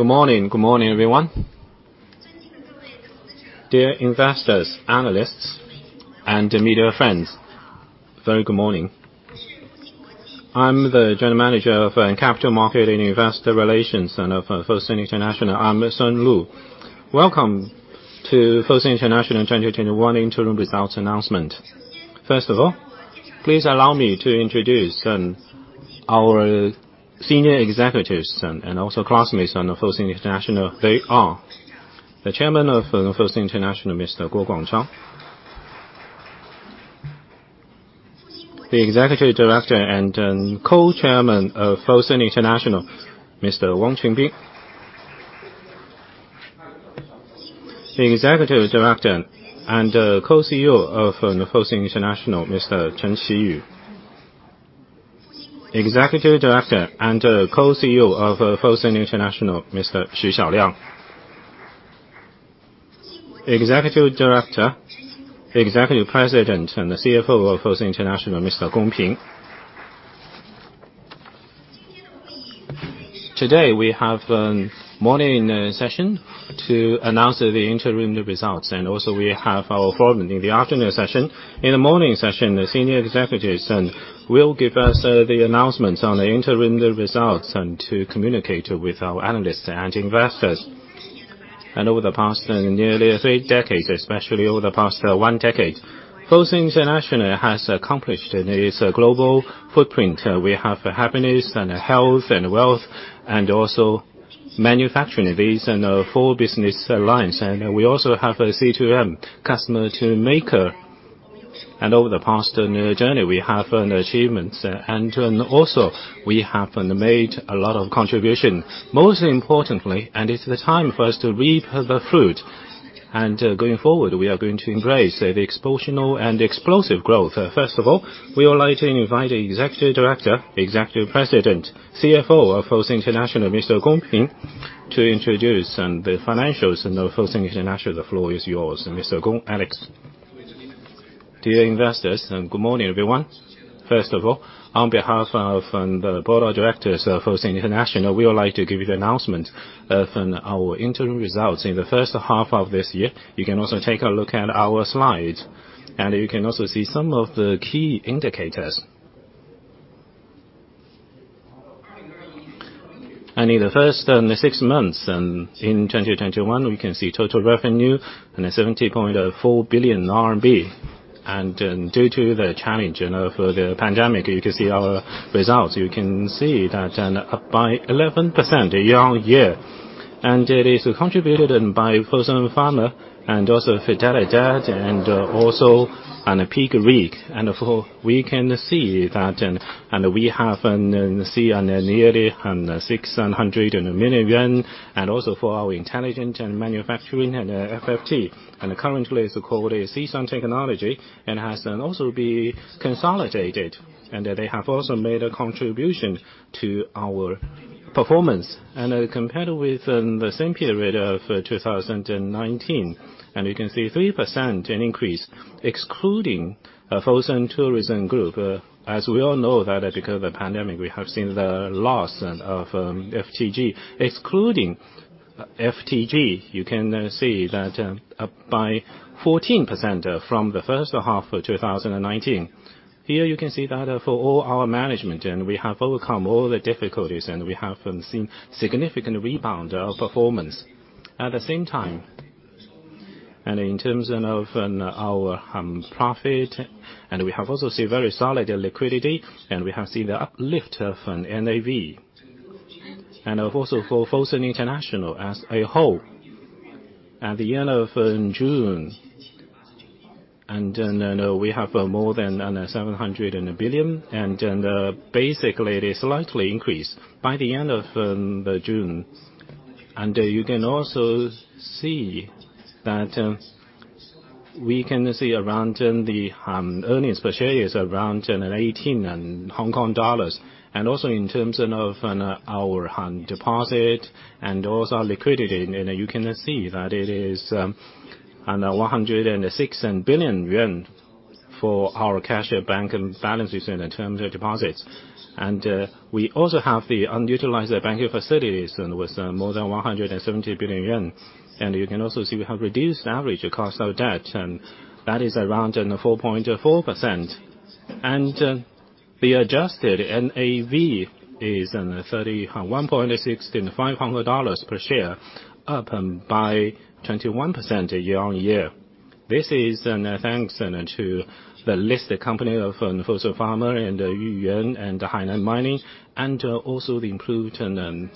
Good morning. Good morning, everyone. Dear investors, analysts, and media friends, very good morning. I'm the General Manager of Capital Market and Investor Relations of Fosun International. I'm Ms. Lu Sun. Welcome to Fosun International 2021 interim results announcement. First of all, please allow me to introduce our senior executives and also classmates on Fosun International. They are the Chairman of Fosun International, Mr. Guo Guangchang. The Executive Director and Co-Chairman of Fosun International, Mr. Wang Qunbin. The Executive Director and Co-CEO of Fosun International, Mr. Chen Qiyu. Executive Director and Co-CEO of Fosun International, Mr. Xu Xiaoliang. Executive Director, Executive President, and the CFO of Fosun International, Mr. Gong Ping. Today, we have morning session to announce the interim results, and also we have our forum in the afternoon session. In the morning session, the senior executives will give us the announcements on the interim results and to communicate with our analysts and investors. Over the past nearly three decades, especially over the past one decade, Fosun International has accomplished its global footprint. We have Happiness and Health and Wealth and also Manufacturing. These are four business lines. We also have C2M, Customer to Maker. Over the past journey, we have achievements. Also we have made a lot of contribution. Most importantly, and it's the time for us to reap the fruit. Going forward, we are going to embrace the exponential and explosive growth. First of all, we would like to invite Executive Director, Executive President, CFO of Fosun International, Mr. Gong Ping, to introduce the financials of Fosun International. The floor is yours, Mr. Gong, Alex. Dear investors, good morning, everyone. On behalf of the Board of Directors of Fosun International, we would like to give you the announcement of our interim results in the first half of this year. You can also take a look at our slides. You can also see some of the key indicators. In the first six months in 2021, we can see total revenue, 70.4 billion RMB. Due to the challenge of the pandemic, you can see our results. You can see that by 11% year-on-year. It is contributed by Fosun Pharma and also Fidelidade and also Peak Re. We can see that we have nearly 600 million yuan, and also for our Intelligent and Manufacturing FFT. Currently, it's called Easun Technology and has also been consolidated, and they have also made a contribution to our performance. Compared with the same period of 2019, you can see 3% increase, excluding Fosun Tourism Group. We all know that because of the pandemic, we have seen the loss of FTG. Excluding FTG, you can see that by 14% from the first half of 2019. You can see that for all our management, we have overcome all the difficulties, we have seen significant rebound of performance. At the same time, in terms of our profit, we have also seen very solid liquidity, we have seen the uplift of NAV. Also for Fosun International as a whole, at the end of June, we have more than 700 billion, basically it is slightly increased by the end of June. You can also see that we can see the earnings per share is around 18.00 Hong Kong dollars. In terms of our deposit and also liquidity, you can see that it is 106 billion yuan for our cash and bank balances in the term deposits. We also have the unutilized banking facilities with more than RMB 170 billion. You can also see we have reduced average cost of debt, and that is around 4.4%. The adjusted NAV is 31.65 dollars per share, up by 21% year-on-year. This is thanks to the listed company of Fosun Pharma and Yuyuan and Hainan Mining, and also the improved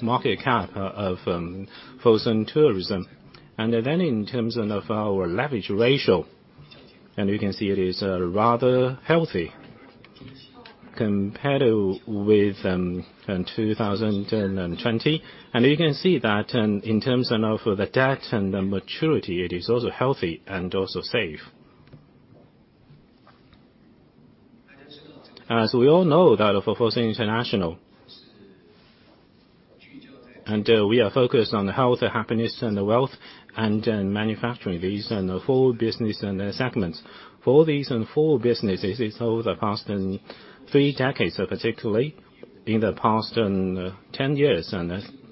market cap of Fosun Tourism. In terms of our leverage ratio, you can see it is rather healthy compared with 2020. You can see that in terms of the debt and the maturity, it is also healthy and also safe. As we all know that for Fosun International, we are focused on Health, Happiness, Wealth, and Manufacturing. These are the four business segments. For these four businesses, it's over the past three decades, particularly in the past 10 years,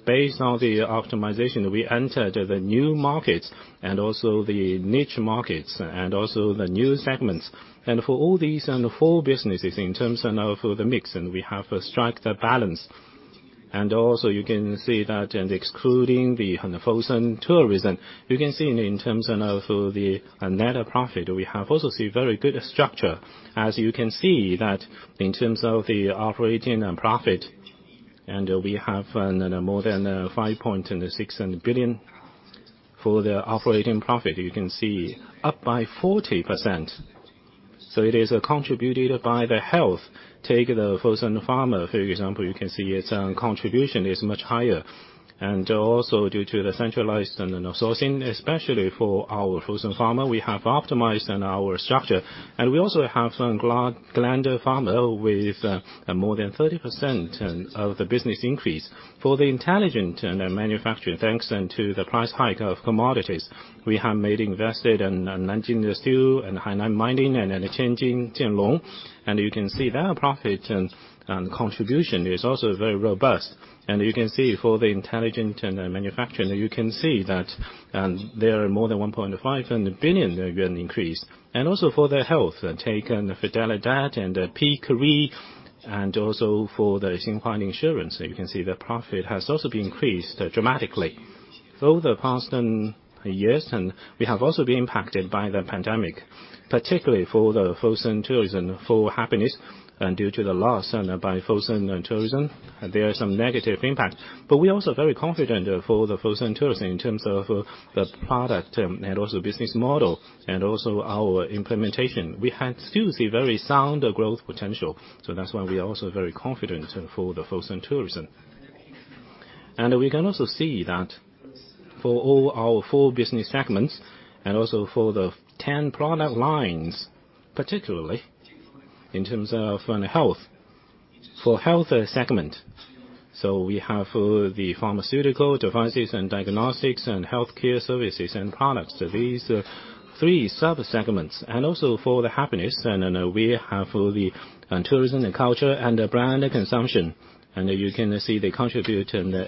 based on the optimization, we entered the new markets and also the niche markets and the new segments. For all these and the four businesses in terms of the mix, and we have to strike the balance. Also you can see that, and excluding the Fosun Tourism, you can see in terms of the net profit, we have also seen very good structure. As you can see that in terms of the operating profit, and we have more than 5.6 billion for the operating profit. You can see up by 40%. It is contributed by the Health. Take the Fosun Pharma, for example, you can see its contribution is much higher. Also due to the centralized and then sourcing, especially for our Fosun Pharma, we have optimized in our structure. We also have Gland Pharma with more than 30% of the business increase. For the Intelligent Manufacturing, thanks to the price hike of commodities, we have made invested in Nanjing Steel and Hainan Mining and then the Tianjin, Jianlong. You can see their profit and contribution is also very robust. You can see for the Intelligent and Manufacturing, you can see that there are more than 1.5 billion yuan increase. Also for the Health, take Fidelidade and Peak Re, and also for the [Yong'an] Insurance, you can see the profit has also been increased dramatically. For the past years, we have also been impacted by the pandemic, particularly for the Fosun Tourism, for Happiness. Due to the loss by Fosun Tourism, there is some negative impact. We're also very confident for the Fosun Tourism in terms of the product and also business model and also our implementation. We had still see very sound growth potential. That's why we are also very confident for the Fosun Tourism. We can also see that for all our four business segments and also for the 10 product lines, particularly in terms of Health. For Health segment, so we have the pharmaceutical devices and diagnostics and healthcare services and products. These three sub-segments. Also for the Happiness, we have the tourism and culture and brand consumption. You can see they contribute to the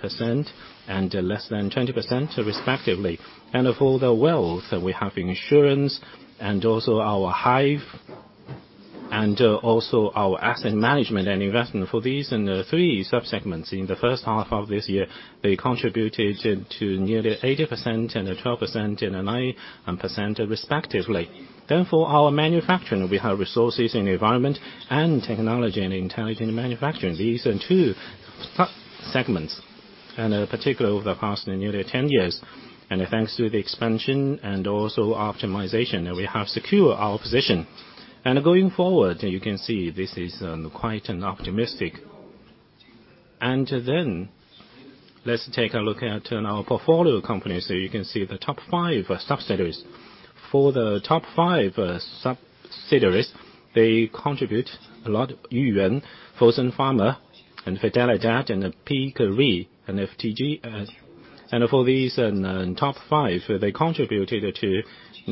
80% and less than 20% respectively. For the Wealth, we have insurance and also our Hive and also our asset management and investment. For these three sub-segments in the first half of this year, they contributed to nearly 80%, 12%, and 9% respectively. For our Manufacturing, we have resources in environment and technology and intelligent manufacturing. These are two sub-segments, and particularly over the past nearly 10 years. Thanks to the expansion and also optimization, we have secured our position. Going forward, you can see this is quite optimistic. Let's take a look at our portfolio companies. You can see the top five subsidiaries. For the top five subsidiaries, they contribute a lot. Yuyuan, Fosun Pharma, Fidelidade, Peak Re, and FTG. For these top five, they contributed to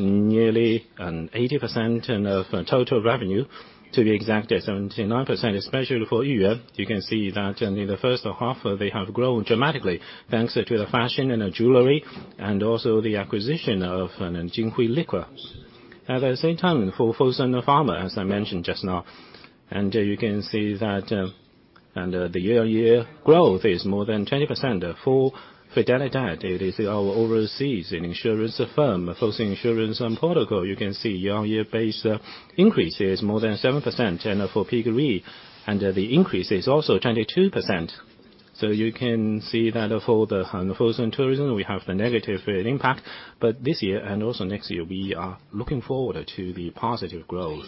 nearly an 80% of total revenue, to be exact, 79%, especially for Yuyuan. You can see that in the first half, they have grown dramatically thanks to the fashion and jewelry and also the acquisition of Jinhui Liquor. At the same time, for Fosun Pharma, as I mentioned just now, you can see that the year-on-year growth is more than 20%. For Fidelidade, it is our overseas insurance firm, Fosun Insurance Portugal. You can see year-on-year base increase is more than 7%, for Peak Re the increase is also 22%. You can see that for the Fosun Tourism, we have the negative impact. This year and also next year, we are looking forward to the positive growth.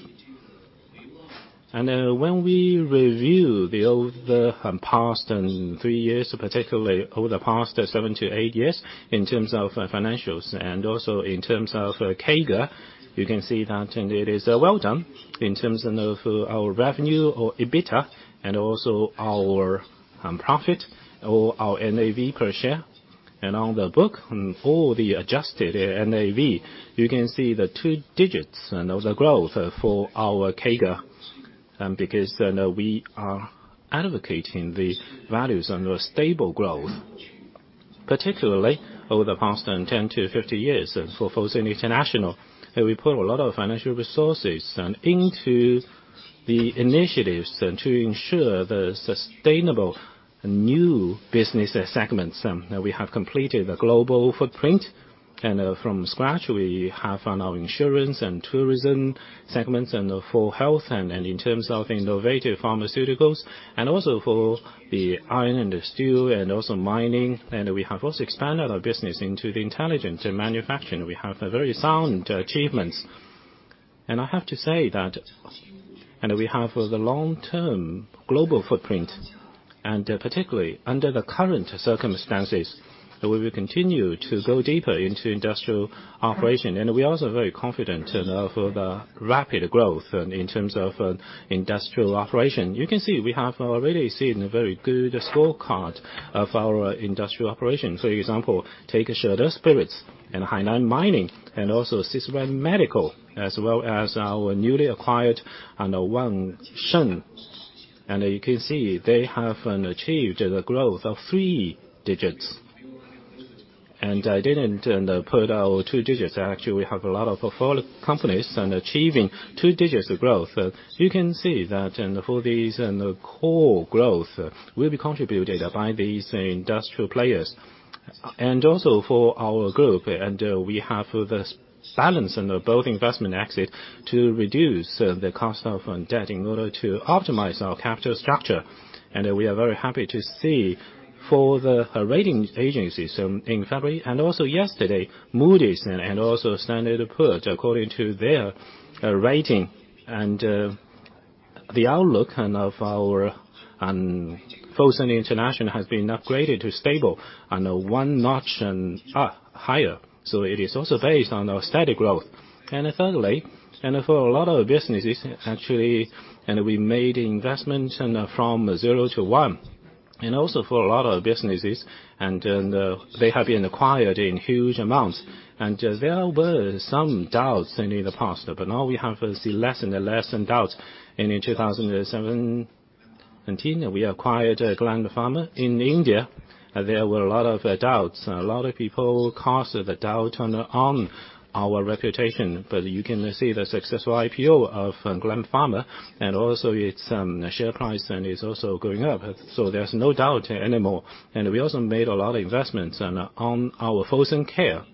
When we review the past three years, particularly over the past seven to eight years, in terms of financials and also in terms of CAGR, you can see that it is well done in terms of our revenue or EBITDA and also our profit or our NAV per share. On the book for the adjusted NAV, you can see the two digits of the growth for our CAGR, because we are advocating the values on the stable growth, particularly over the past 10-15 years. For Fosun International, we put a lot of financial resources into the initiatives to ensure the sustainable new business segments. We have completed the global footprint and from scratch, we have our Insurance and Tourism segments and for Health and in terms of innovative pharmaceuticals and also for the iron and steel and also mining. We have also expanded our business into the Intelligent Manufacturing. We have very sound achievements. I have to say that we have the long-term global footprint, and particularly under the current circumstances, we will continue to go deeper into industrial operation. We are also very confident of the rapid growth in terms of industrial operation. You can see we have already seen a very good scorecard of our industrial operation. For example, take Shede Spirits and Hainan Mining and also Sisram Medical, as well as our newly acquired Wansheng. You can see they have achieved the growth of three digits. I didn't put out two digits. Actually, we have a lot of portfolio companies achieving two digits of growth. You can see that for these, the core growth will be contributed by these industrial players. Also for our Group, we have this balance in both investment exit to reduce the cost of debt in order to optimize our capital structure. We are very happy to see for the rating agencies in February and also yesterday, Moody's and also Standard & Poor's, according to their rating and the outlook of our Fosun International has been upgraded to stable and one notch higher. It is also based on our steady growth. Thirdly, for a lot of businesses, actually, we made investments from zero to one. Also for a lot of businesses, they have been acquired in huge amounts. There were some doubts in the past, but now we have seen less and less doubts. In 2017, we acquired Gland Pharma in India. There were a lot of doubts. A lot of people cast the doubt on our reputation, but you can see the successful IPO of Gland Pharma, and also its share price is also going up. There's no doubt anymore. We also made a lot of investments on our Fosun Health.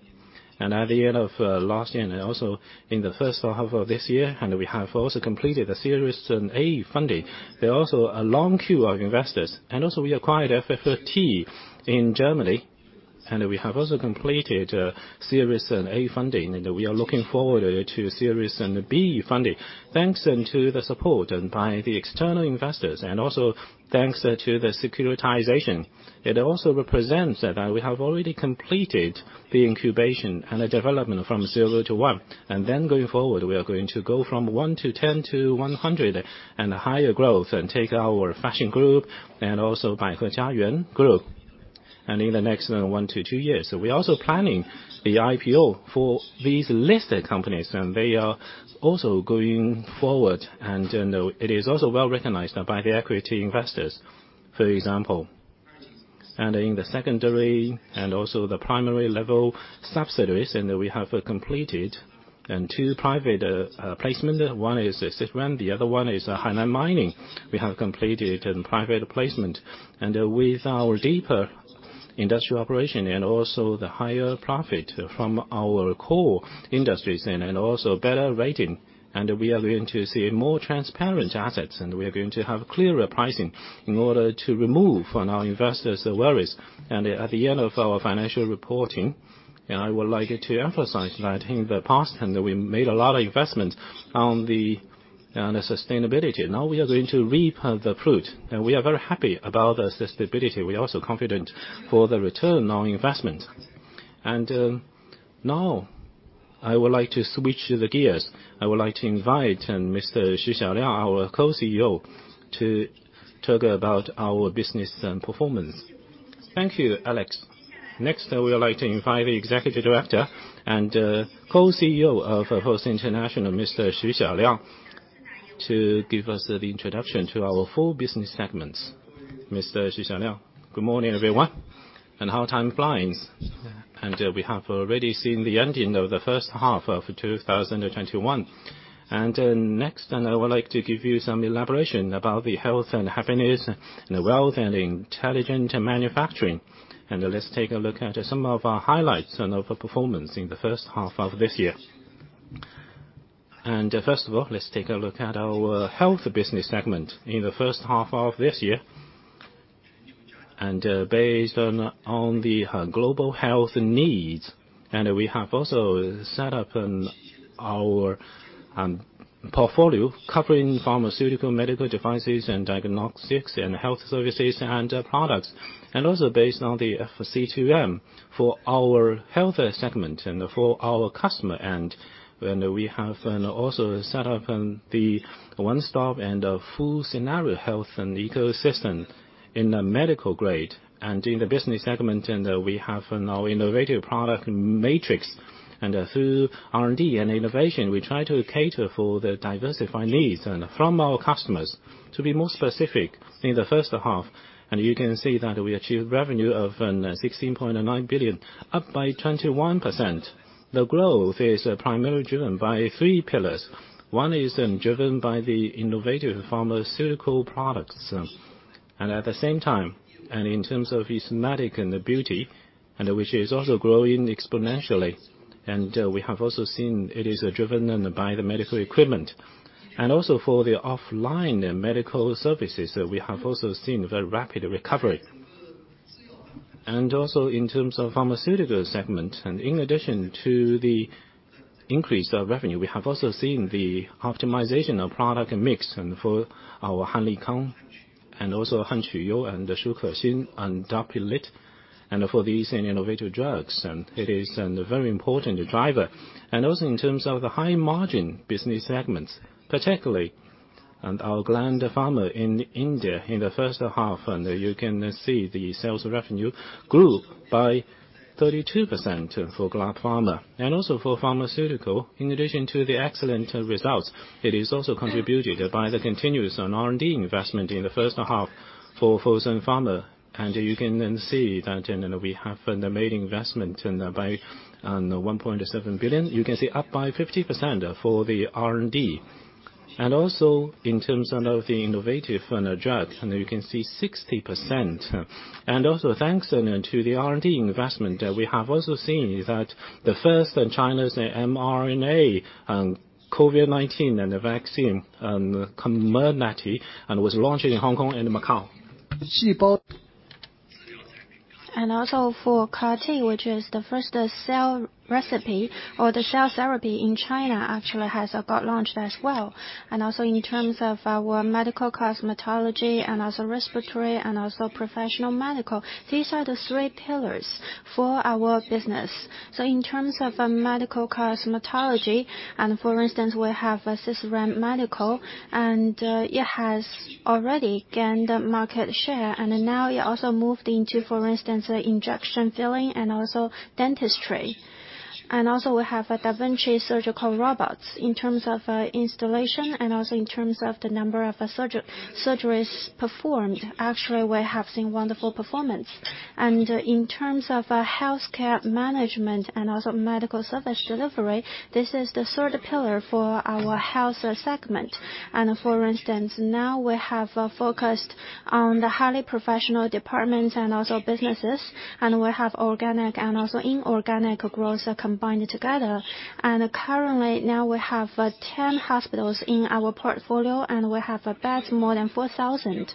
At the end of last year, and also in the first half of this year, we have also completed the Series A funding. There are also a long queue of investors. We also acquired FFT in Germany, and we have also completed Series A funding, and we are looking forward to Series B funding. Thanks to the support by the external investors and also thanks to the securitization. It also represents that we have already completed the incubation and the development from zero to one. Going forward, we are going to go from 1 to 10 to 100 and higher growth and take our Fashion Group and also by [Lanvin] Group. In the next one to two years, we are also planning the IPO for these listed companies. They are also going forward. It is also well-recognized by the equity investors. For example, in the secondary and also the primary level subsidiaries, we have completed two private placement. One is Sisram, the other one is Hainan Mining. We have completed private placement. With our deeper industrial operation and also the higher profit from our core industries and also better rating, and we are going to see more transparent assets, and we are going to have clearer pricing in order to remove our investors' worries. At the end of our financial reporting, I would like to emphasize that in the past we made a lot of investment on the sustainability. Now we are going to reap the fruit, and we are very happy about the sustainability. We are also confident for the return on investment. Now I would like to switch the gears. I would like to invite Mr. Xu Xiaoliang, our co-CEO, to talk about our business performance. Thank you, Alex. Next, I would like to invite the Executive Director and co-CEO of Fosun International, Mr. Xu Xiaoliang, to give us the introduction to our four business segments. Mr. Xu Xiaoliang. Good morning, everyone. How time flies. We have already seen the ending of the first half of 2021. Next, I would like to give you some elaboration about the Health and Happiness and the Wealth and Intelligent Manufacturing. Let's take a look at some of our highlights of performance in the first half of this year. First of all, let's take a look at our Health business segment in the first half of this year. Based on the global health needs, we have also set up our portfolio covering pharmaceutical, medical devices, and diagnostics and health services and products. Also based on the C2M for our Health segment and for our customer, and we have also set up the one-stop and full-scenario health ecosystem in the medical grade. In the business segment, we have our innovative product matrix. Through R&D and innovation, we try to cater for the diversified needs from our customers. To be more specific, in the first half, you can see that we achieved revenue of 16.9 billion, up by 21%. The growth is primarily driven by three pillars. One is driven by the innovative pharmaceutical products. At the same time, in terms of cosmetic and beauty, which is also growing exponentially. We have also seen it is driven by the medical equipment. Also for the offline medical services, we have also seen very rapid recovery. Also in terms of pharmaceutical segment, in addition to the increase of revenue, we have also seen the optimization of product mix for our HANLIKANG and also HANQUYOU and SUKEXIN and [tablet] and for these innovative drugs. It is a very important driver. Also in terms of the high-margin business segments, particularly our Gland Pharma in India in the first half. You can see the sales revenue grew by 32% for Gland Pharma. For pharmaceutical, in addition to the excellent results, it is also contributed by the continuous R&D investment in the first half. For Fosun Pharma, you can see that we have made investment by 1.7 billion. You can see up by 50% for the R&D. In terms of the innovative drug, you can see 60%. Thanks to the R&D investment, we have also seen that the first in China's mRNA COVID-19 vaccine, COMIRNATY, was launched in Hong Kong and Macau. Also for CAR-T, which is the first cell recipe or the cell therapy in China, actually has got launched as well. Also in terms of our medical cosmetology and also respiratory and also professional medical, these are the three pillars for our business. In terms of medical cosmetology, and for instance, we have Sisram Medical, and it has already gained market share, and now it also moved into, for instance, injection filling and also dentistry. Also we have Da Vinci surgical robots. In terms of installation and also in terms of the number of surgeries performed, actually, we have seen wonderful performance. In terms of healthcare management and also medical service delivery, this is the third pillar for our Health segment. For instance, now we have focused on the highly professional departments and also businesses, and we have organic and also inorganic growth combined together. Currently, now we have 10 hospitals in our portfolio, and we have beds more than 4,000.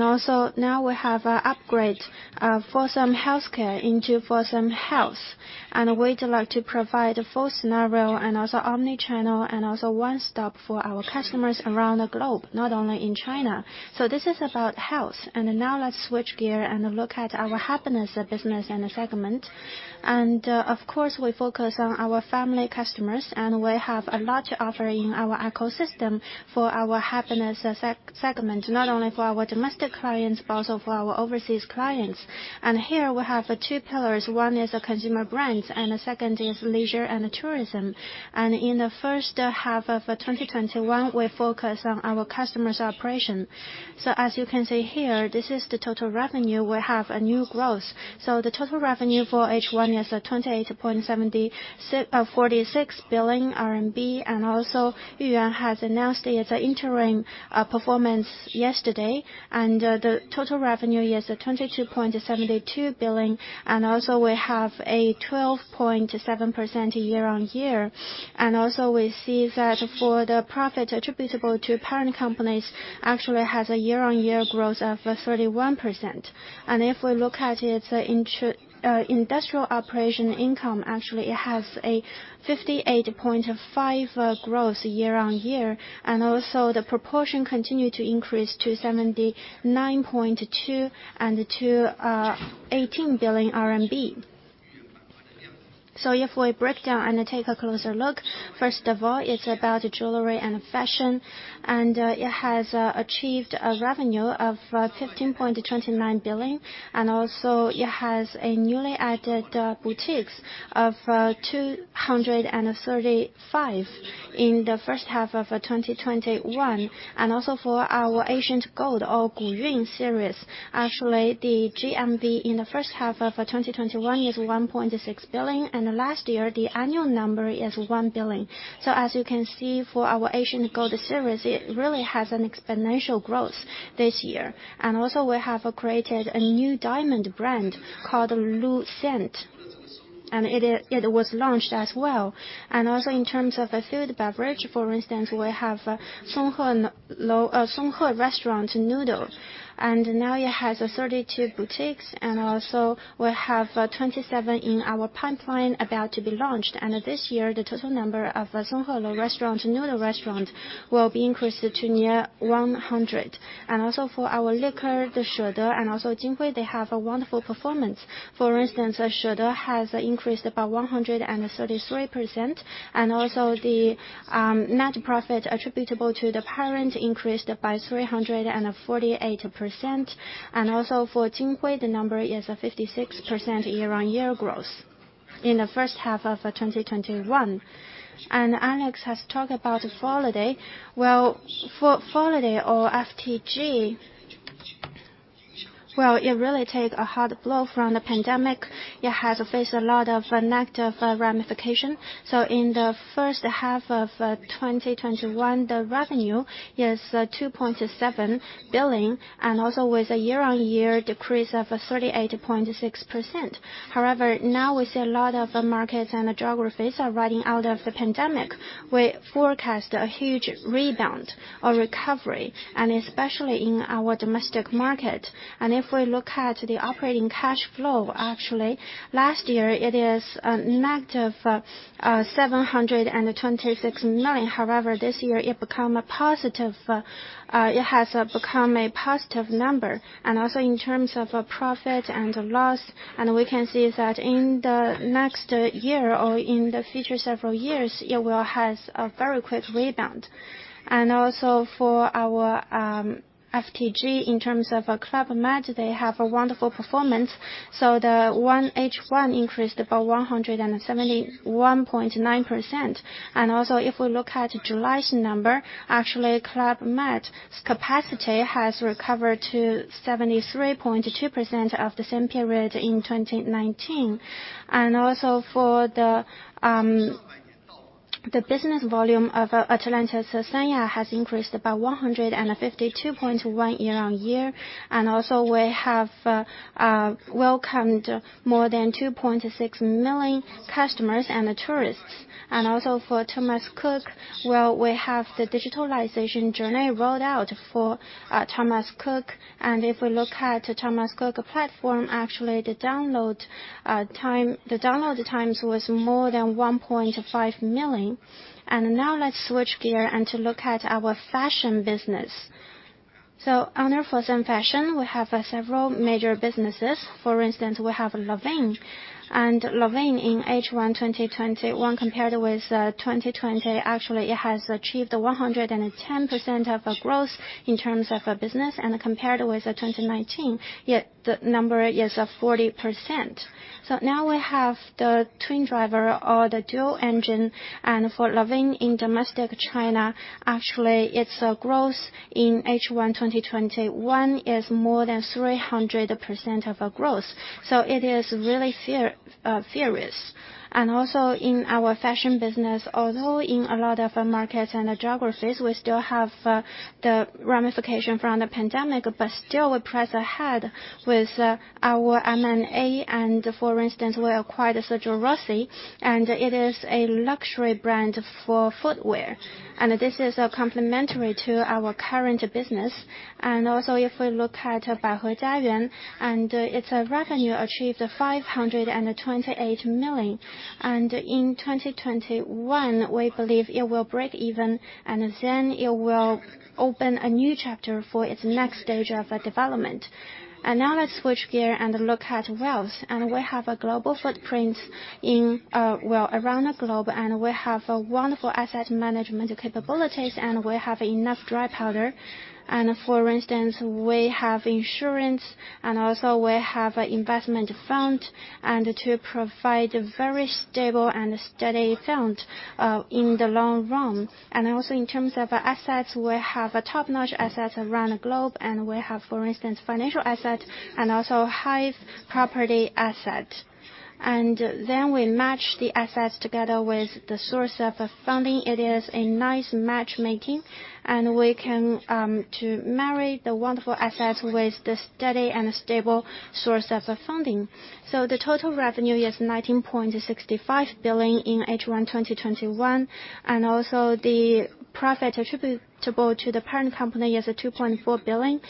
Also, now we have upgrade Fosun Healthcare into Fosun Health, and we'd like to provide a full scenario and also omni-channel and also one-stop for our customers around the globe, not only in China. This is about Health. Now let's switch gear and look at our Happiness business and segment. Of course, we focus on our family customers, and we have a large offering in our ecosystem for our Happiness segment, not only for our domestic clients, but also for our overseas clients. Here we have two pillars. One is consumer brands and the second is leisure and tourism. In the first half of 2021, we focused on our customer's operation. As you can see here, this is the total revenue. We have a new growth. The total revenue for H1 is 28.7046 billion RMB. Yuyuan has announced its interim performance yesterday, and the total revenue is 22.72 billion. We have a 12.7% year-on-year. We see that for the profit attributable to parent companies, actually has a year-on-year growth of 31%. If we look at its industrial operation income, actually, it has a 58.5% growth year-on-year. The proportion continued to increase to 79.2% and to 18 billion RMB. If we break down and take a closer look, first of all, it's about jewelry and fashion, and it has achieved a revenue of 15.29 billion. It has newly added boutiques of 235 in the first half of 2021. For our Ancient Gold or Guyun series, actually, the GMV in the first half of 2021 is 1.6 billion, and last year, the annual number is 1 billion. As you can see for our Ancient Gold series, it really has an exponential growth this year. We have created a new diamond brand called LUSANT, and it was launched as well. In terms of food beverage, for instance, we have Songhelou Noodle Restaurant, and now it has 32 boutiques, and also we have 27 in our pipeline about to be launched. This year, the total number of Songhelou Noodle Restaurant will be increased to near 100. For our liquor, the Shede and also Jinhui, they have a wonderful performance. For instance, Shede has increased about 133%, also the net profit attributable to the parent increased by 348%. Also for Jinhui, the number is a 56% year-on-year growth in the first half of 2021. Alex has talked about FOLIDAY. Well, FOLIDAY or FTG, it really take a hard blow from the pandemic. It has faced a lot of negative ramification. In in the first half of 2021, the revenue is 2.7 billion, also with a year-on-year decrease of 38.6%. However, now we see a lot of markets and geographies are running out of the pandemic. We forecast a huge rebound or recovery, especially in our domestic market. If we look at the operating cash flow, actually last year it is -726 million. However, this year, it has become a positive number. Also in terms of profit and loss, we can see that in the next year or in the future several years, it will have a very quick rebound. Also for our FTG, in terms of Club Med, they have a wonderful performance. The H1 increased about 171.9%. Also if we look at July's number, actually, Club Med capacity has recovered to 73.2% of the same period in 2019. Also for the business volume of Atlantis Sanya has increased about 152.1% year-on-year. Also we have welcomed more than 2.6 million customers and tourists. Also for Thomas Cook, we have the digitalization journey rolled out for Thomas Cook. If we look at Thomas Cook platform, actually the download times was more than 1.5 million. Now let's switch gear and to look at our fashion business. Under Fosun Fashion, we have several major businesses. For instance, we have Lanvin. Lanvin in H1 2021, compared with 2020, actually, it has achieved 110% of growth in terms of business. Compared with 2019, the number is 40%. Now we have the twin driver or the dual engine. For Lanvin in domestic China, actually, its growth in H1 2021 is more than 300% of growth. It is really furious. Also in our fashion business, although in a lot of markets and geographies, we still have the ramification from the pandemic, but still we press ahead with our M&A. For instance, we acquired Sergio Rossi, and it is a luxury brand for footwear. This is complementary to our current business. Also if we look at Baihe Jiayuan, its revenue achieved 528 million. In 2021, we believe it will break even, and then it will open a new chapter for its next stage of development. Now let's switch gear and look at Wealth. We have a global footprint around the globe, and we have wonderful asset management capabilities, and we have enough dry powder. For instance, we have insurance, and also we have investment fund, and to provide very stable and steady fund in the long run. Also in terms of assets, we have top-notch assets around the globe, and we have, for instance, financial asset and also Hive property asset. Then we match the assets together with the source of funding. It is a nice match-making, and we can marry the wonderful assets with the steady and stable source of funding. The total revenue is 19.65 billion in H1 2021, the profit attributable to the parent company is 2.4 billion.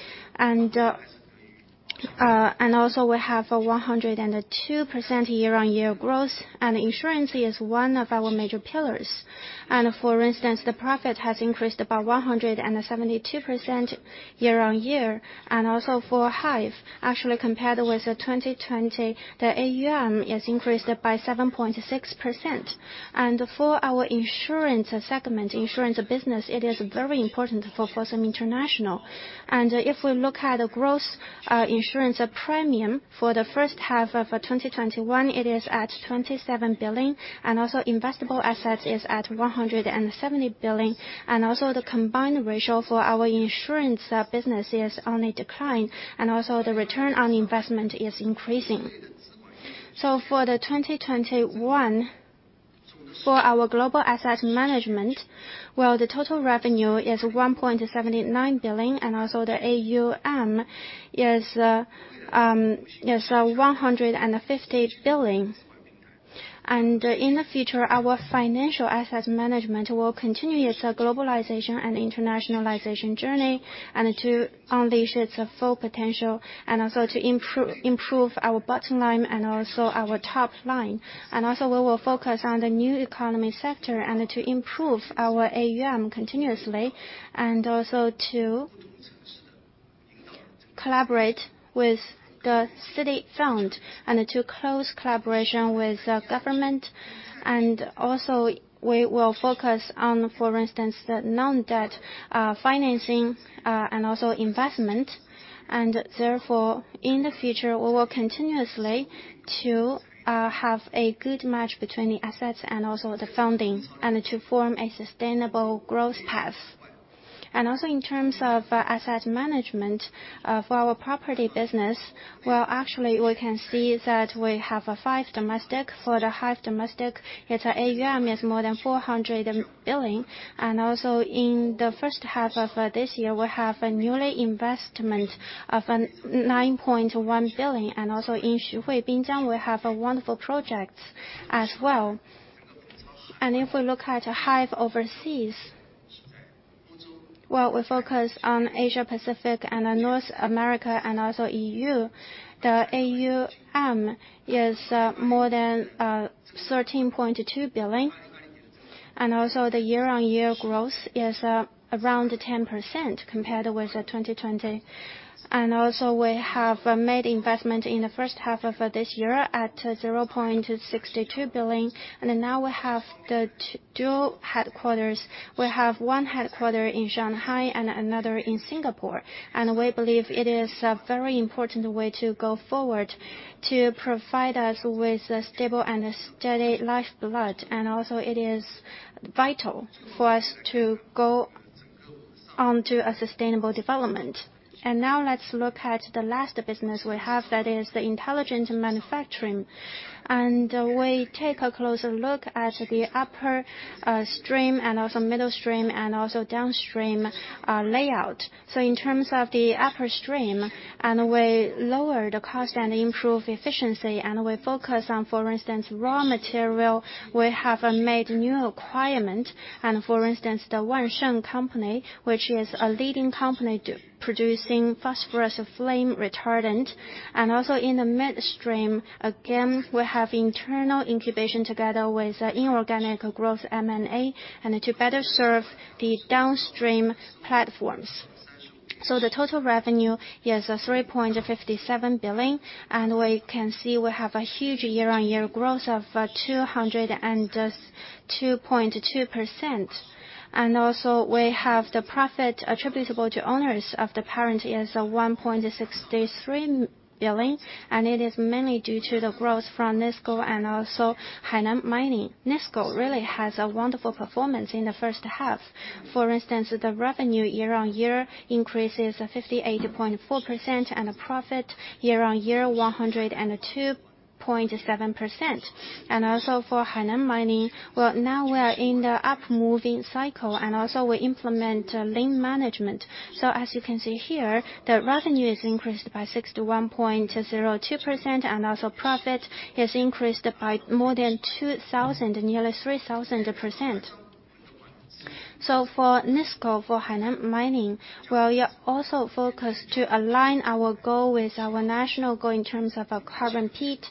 We have 102% year-on-year growth, and insurance is one of our major pillars. For instance, the profit has increased about 172% year-on-year. For Hive, actually, compared with 2020, the AUM is increased by 7.6%. For our Insurance segment, insurance business, it is very important for Fosun International. If we look at the gross insurance premium for the first half of 2021, it is at 27 billion, investable assets is at 170 billion. The combined ratio for our insurance business is on a decline, the return on investment is increasing. For the 2021, for our global asset management, the total revenue is 1.79 billion, the AUM is 150 billion. In the future, our financial assets management will continue its globalization and internationalization journey and to unleash its full potential and also to improve our bottom line and also our top line. We will also focus on the new economy sector and to improve our AUM continuously and also to collaborate with the city fund and to close collaboration with government. We will also focus on, for instance, the non-debt financing, and also investment. Therefore, in the future, we will continuously to have a good match between the assets and also the funding and to form a sustainable growth path. Also in terms of asset management, for our property business, actually, we can see that we have Hive domestic. For the Hive domestic, its AUM is more than 400 billion. In the first half of this year, we have a newly investment of 9.1 billion. In Xuhui Binjiang, we have wonderful projects as well. If we look at Hive overseas, we focus on Asia-Pacific and North America and also EU. The AUM is more than 13.2 billion. The year-on-year growth is around 10% compared with 2020. We have made investment in the first half of this year at 0.62 billion. Now we have the dual headquarters. We have one headquarter in Shanghai and another in Singapore. We believe it is a very important way to go forward to provide us with a stable and a steady lifeblood. It is vital for us to go on to a sustainable development. Now let's look at the last business we have, that is the Intelligent Manufacturing. We take a closer look at the upstrea- and also midstrea-, and also downstream-layout. In terms of the upstream, and we lower the cost and improve efficiency, and we focus on, for instance, raw material. We have made new acquirement and for instance, the Wansheng, which is a leading company producing phosphorus flame retardant. Also in the midstream, again, we have internal incubation together with inorganic growth M&A and to better serve the downstream platforms. The total revenue is 3.57 billion, and we can see we have a huge year-over-year growth of 202.2%. Also we have the profit attributable to owners of the parent is 1.63 billion, and it is mainly due to the growth from NISCO and also Hainan Mining. NISCO really has a wonderful performance in the first half. For instance, the revenue year-on-year increase is 58.4%, and the profit year-on-year 102.7%. For Hainan Mining, well, now we are in the up-moving cycle and also we implement lean management. As you can see here, the revenue is increased by 61.02%, and also profit is increased by more than 2,000%, nearly 3,000%. For NISCO, for Hainan Mining, we are also focused to align our goal with our national goal in terms of carbon peak,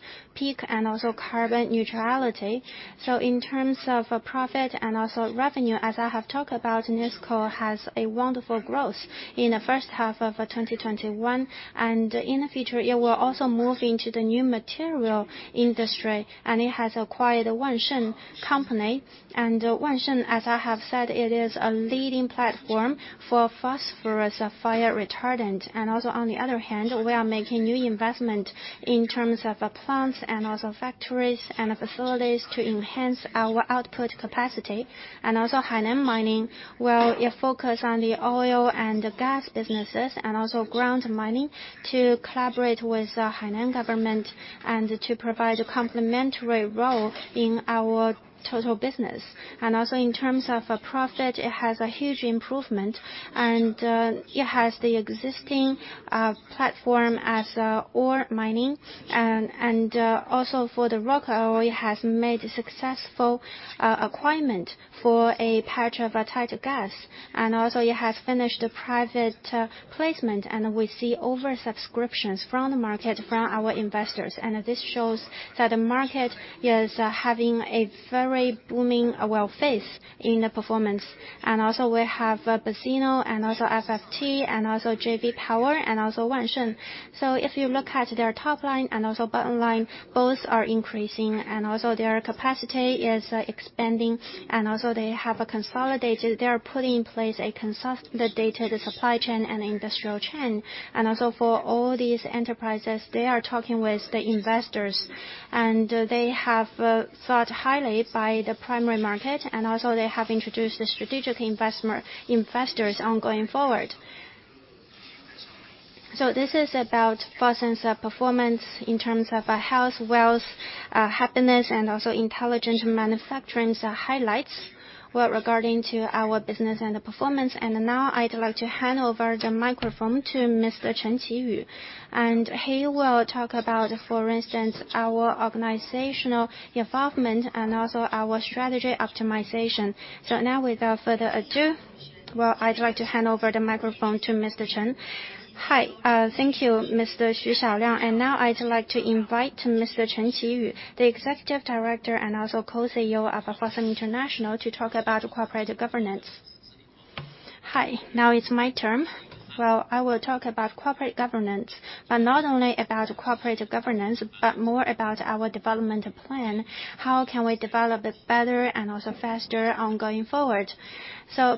and also carbon neutrality. In terms of profit and also revenue, as I have talked about, NISCO has a wonderful growth in the first half of 2021. In the future, it will also move into the new material industry, and it has acquired Wansheng Company. Wansheng, as I have said, it is a leading platform for phosphorus flame retardant. On the other hand, we are making new investment in terms of plants and also factories and facilities to enhance our output capacity. Hainan Mining, it focus on the oil and gas businesses and also ground mining to collaborate with the Hainan government and to provide a complementary role in our total business. In terms of profit, it has a huge improvement and it has the existing platform as ore mining. For the Roc Oil, it has made a successful acquirement for a patch of tight gas. It has finished private placement, and we see over subscriptions from the market, from our investors. This shows that the market is having a very booming phase in the performance. We have Besino and also FFT, and also JEVE Power and also Wansheng. If you look at their top line and also bottom line, both are increasing and also their capacity is expanding. They are putting in place a consolidated supply chain and industrial chain. For all these enterprises, they are talking with the investors, and they have thought highly by the primary market. They have introduced the strategic investors ongoing forward. This is about Fosun's performance in terms of Health, Wealth, Happiness, and also Intelligent Manufacturing highlights regarding to our business and the performance. Now I'd like to hand over the microphone to Mr. Chen Qiyu, and he will talk about, for instance, our organizational involvement and also our strategy optimization. Without further ado, well, I'd like to hand over the microphone to Mr. Chen. Hi. Thank you, Mr. Xu Xiaoliang. Now I'd like to invite Mr. Chen Qiyu, the Executive Director and also Co-CEO of Fosun International, to talk about corporate governance. Hi. Now it's my turn. Well, I will talk about corporate governance, but not only about corporate governance, but more about our development plan. How can we develop it better and also faster ongoing forward?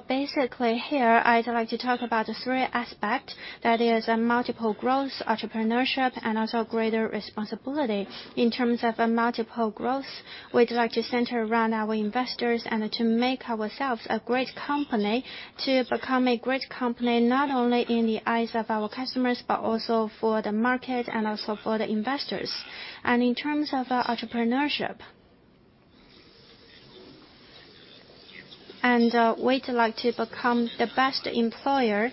Basically here, I'd like to talk about the three aspect, that is multiple growth, entrepreneurship, and also greater responsibility. In terms of multiple growth, we'd like to center around our investors and to make ourselves a great company. To become a great company, not only in the eyes of our customers, but also for the market and also for the investors. In terms of entrepreneurship. We'd like to become the best employer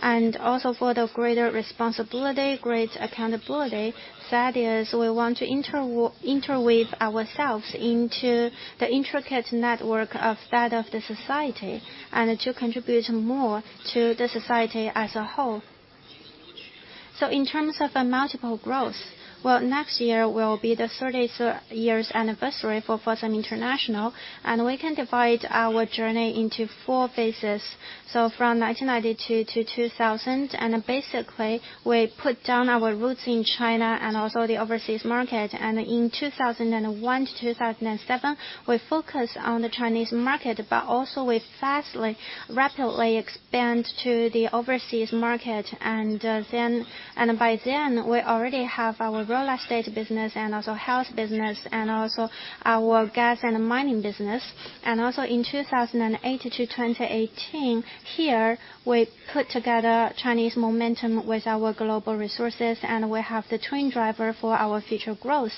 and also for the greater responsibility, great accountability. That is, we want to interweave ourselves into the intricate network of that of the society, and to contribute more to the society as a whole. In terms of multiple growth, well, next year will be the 30 years anniversary for Fosun International, and we can divide our journey into four phases. From 1992 to 2000, basically, we put down our roots in China and also the overseas market. In 2001 to 2007, we focused on the Chinese market, but also we rapidly expand to the overseas market. By then, we already have our real estate business and also Health business, and also our gas and mining business. In 2008 to 2018, here, we put together Chinese momentum with our global resources, and we have the twin driver for our future growth.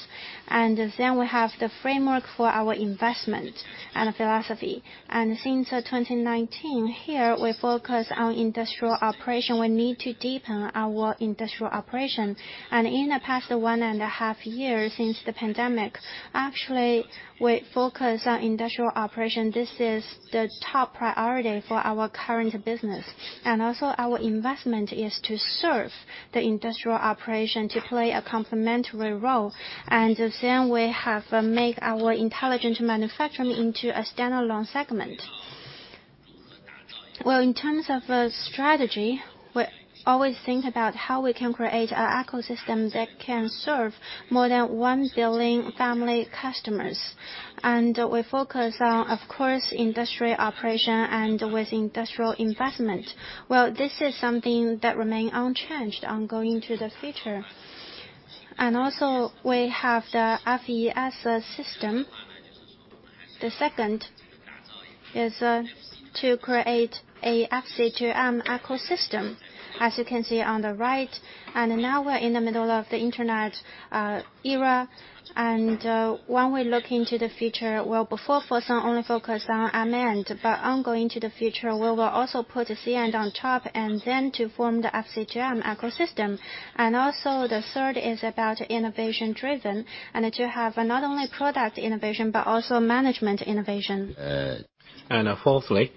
We have the framework for our investment and philosophy. Since 2019, here, we focus on industrial operation. We need to deepen our industrial operation. In the past one and a half years since the pandemic, actually, we focus on industrial operation. This is the top priority for our current business. Also our investment is to serve the industrial operation to play a complementary role. Then we have make our intelligent manufacturing into a standalone segment. Well, in terms of strategy, we always think about how we can create an ecosystem that can serve more than 1 billion family customers. We focus on, of course, industry operation and with industrial investment. Well, this is something that remain unchanged ongoing to the future. Also, we have the FES system. The second is to create a FC2M ecosystem, as you can see on the right. Now we're in the middle of the internet era. When we look into the future, well, before Fosun only focus on M&A. Ongoing to the future, we will also put a C-end on top, and then to form the FC2M ecosystem. Also the third is about innovation-driven, and to have not only product innovation, but also management innovation. Fourthly,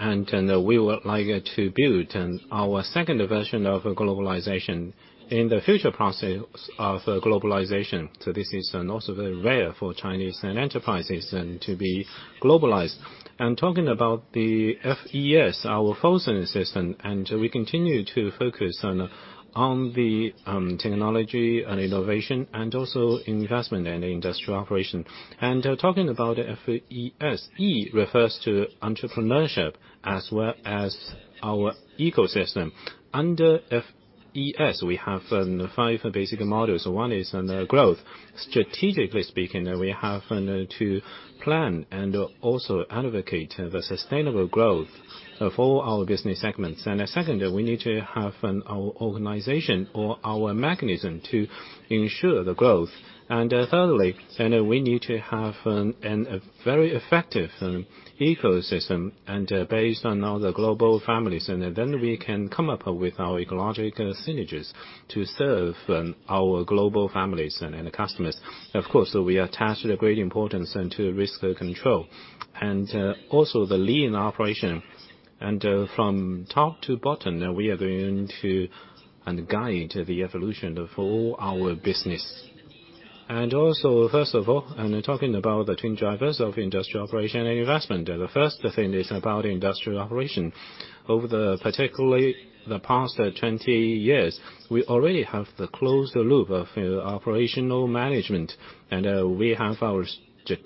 we would like to build our second version of globalization in the future process of globalization. This is also very rare for Chinese enterprises to be globalized. Talking about the FES, our Fosun system. We continue to focus on the technology and innovation and also investment and industrial operation. Talking about FES, E refers to entrepreneurship as well as our ecosystem. Under FES, we have five basic models. One is growth. Strategically speaking, we have to plan and also advocate the sustainable growth of all our business segments. Secondly, we need to have our organization or our mechanism to ensure the growth. Thirdly, we need to have a very effective ecosystem based on all the global families. We can come up with our ecological synergies to serve our global families and the customers. Of course, we attach the great importance to risk control. Also the lean operation. From top to bottom, we are going to guide the evolution of all our business. Also, first of all, talking about the twin drivers of industrial operation and investment. The first thing is about industrial operation. Over the, particularly the past 20 years, we already have the closed loop of operational management, and we have our strategic planning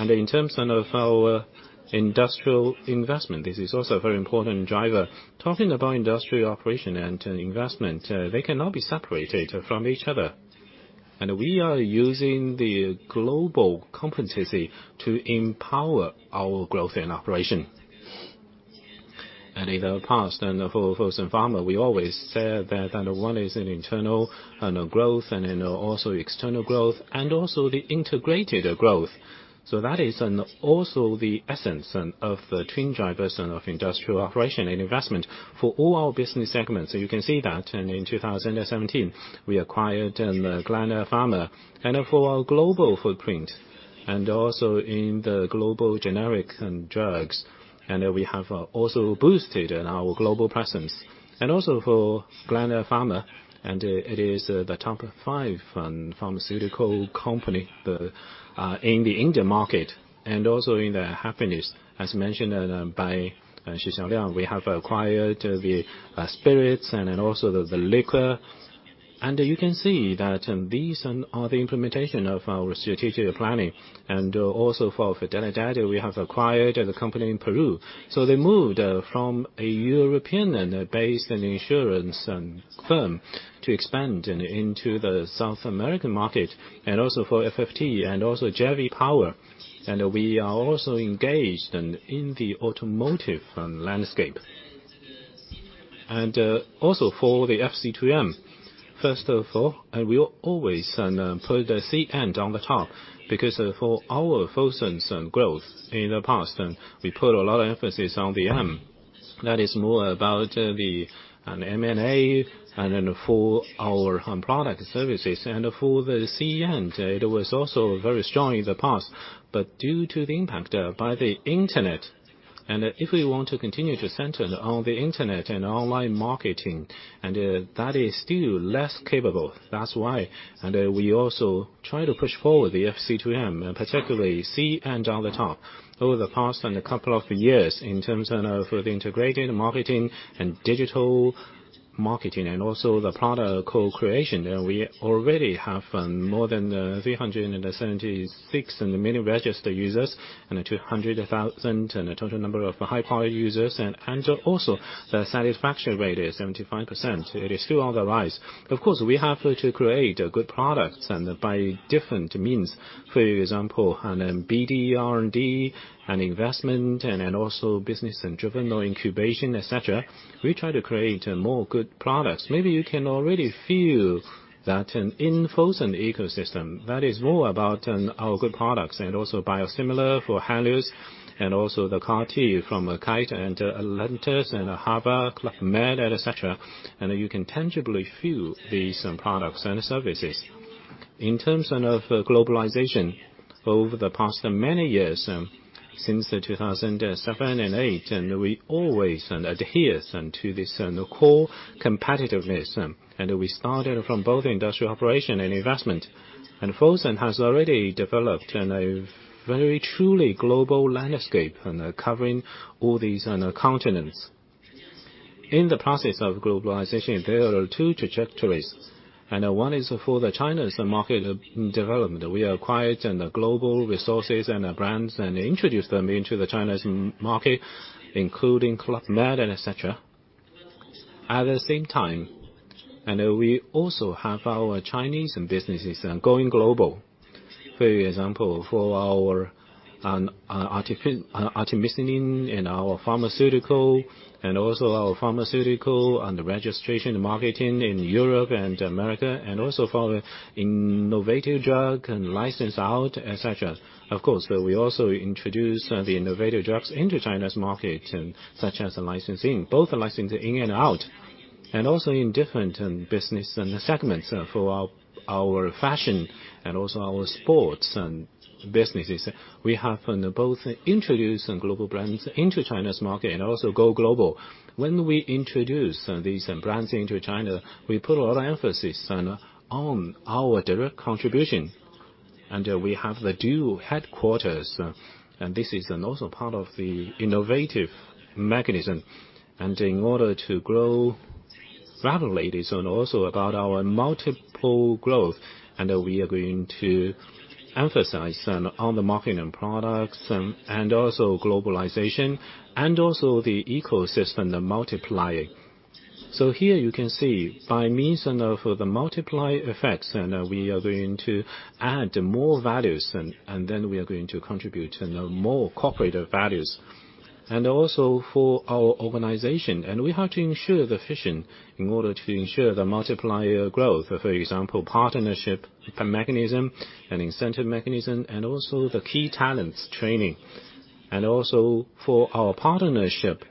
and also our budgeting and talent planning, and then also the evaluation and also the rewards and punishment and also the operational supervision. We have both a short-term and a long-term mechanism. We also have the 1 + 2 + 7, and we have a long-term of 10 years planning. Also we focus on the short-term synergies and also improvement. In terms of our industrial investment, this is also a very important driver. Talking about industrial operation and investment, they cannot be separated from each other. We are using the global competency to empower our growth and operation. In the past for Fosun Pharma, we always said that one is an internal growth and also external growth, and also the integrated growth. That is also the essence of the twin drivers of industrial operation and investment for all our business segments. You can see that in 2017, we acquired Gland Pharma. For our global footprint and also in the global generic drugs, we have also boosted our global presence. Also for Gland Pharma, it is the top five pharmaceutical company in the India market. In the Happiness, as mentioned by Xu Xiaoliang, we have acquired the spirits and also the liquor. You can see that these are the implementation of our strategic planning. For Fidelidade, we have acquired the company in Peru. They moved from a European-based insurance firm to expand into the South American market. For FFT and also JEVE Power, we are also engaged in the automotive landscape. For the FC2M. First of all, we always put the C-end on the top because for our Fosun's growth in the past, we put a lot of emphasis on the M. That is more about the M&A and then for our product services. For the C-end, it was also very strong in the past, but due to the impact by the internet, and if we want to continue to center on the internet and online marketing, and that is still less capable. That's why we also try to push forward the FC2M, particularly C-end on the top. Over the past couple of years in terms of the integrated marketing and digital marketing, and also the product co-creation, we already have more than 376 million registered users and 200,000 total number of high-power users. Also, the satisfaction rate is 75%. It is still on the rise. Of course, we have to create good products and by different means. For example, BD, R&D, and investment, and then also business and driven incubation, etc. We try to create more good products. Maybe you can already feel that in Fosun ecosystem. That is more about our good products and also biosimilar for Henlius and also the CAR T from Kite and Henlius and Harbor, Club Med, etc. You can tangibly feel these products and services. In terms of globalization, over the past many years since 2007 and 2008, we always adhere to this core competitiveness. We started from both industrial operation and investment. Fosun has already developed a very truly global landscape covering all these continents. In the process of globalization, there are two trajectories. One is for the China's market development. We acquired global resources and brands and introduced them into the Chinese market, including Club Med and etc. At the same time, we also have our Chinese businesses going global. For example, for our artemisinin and our pharmaceutical, and also our pharmaceutical and registration marketing in Europe and America, and also for innovative drug and license out, etc. Of course, we also introduce the innovative drugs into China's market such as license in. Both license in and out. In different business segments for our fashion and also our sports businesses. We have both introduced global brands into China's market and also go global. When we introduce these brands into China, we put a lot of emphasis on our direct contribution. We have the dual headquarters, and this is also part of the innovative mechanism. In order to grow rapidly and also about our multiple growth, and we are going to emphasize on the marketing and products and also globalization and also the ecosystem multiplying. Here you can see by means of the multiplier effects, we are going to add more values, we are going to contribute more cooperative values. For our organization, we have to ensure the efficiency in order to ensure the multiplier growth. For example, partnership mechanism, incentive mechanism, and also the key talents training. For our partnership.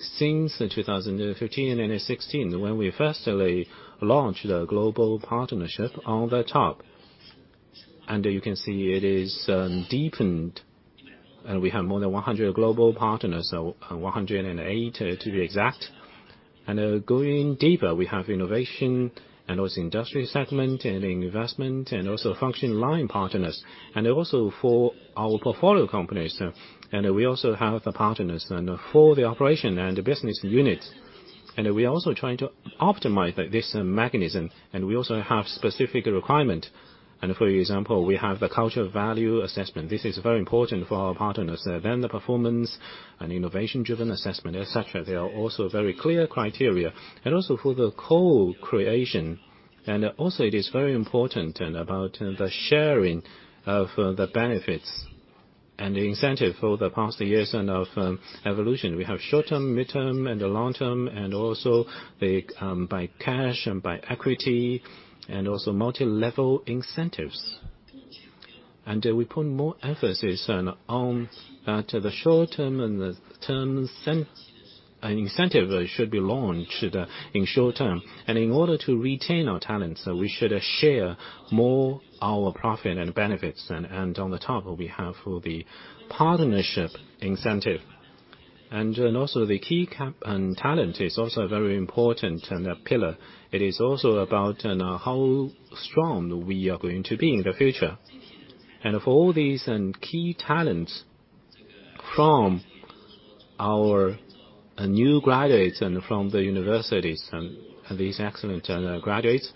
Since 2015 and 2016, when we firstly launched the global partnership on the top. You can see it is deepened, we have more than 100 global partners, 108 to be exact. Going deeper, we have innovation, and also industry segment, and investment, and also function line partners. For our portfolio companies. We also have the partners for the operation and business units. We are also trying to optimize this mechanism. We also have specific requirements. For example, we have the culture value assessment. This is very important for our partners. The performance and innovation-driven assessment, etc. There are also very clear criteria. Also for the co-creation. Also it is very important about the sharing of the benefits and the incentive for the past years of evolution. We have short term, midterm, and the long term, and also by cash and by equity, and also multilevel incentives. We put more emphasis on the short term and the terms and incentive should be launched in short term. In order to retain our talents, we should share more our profit and benefits. On the top we have the partnership incentive. Also the key talent is also very important pillar. It is also about how strong we are going to be in the future. For all these key talents from our new graduates from the universities and these excellent graduates.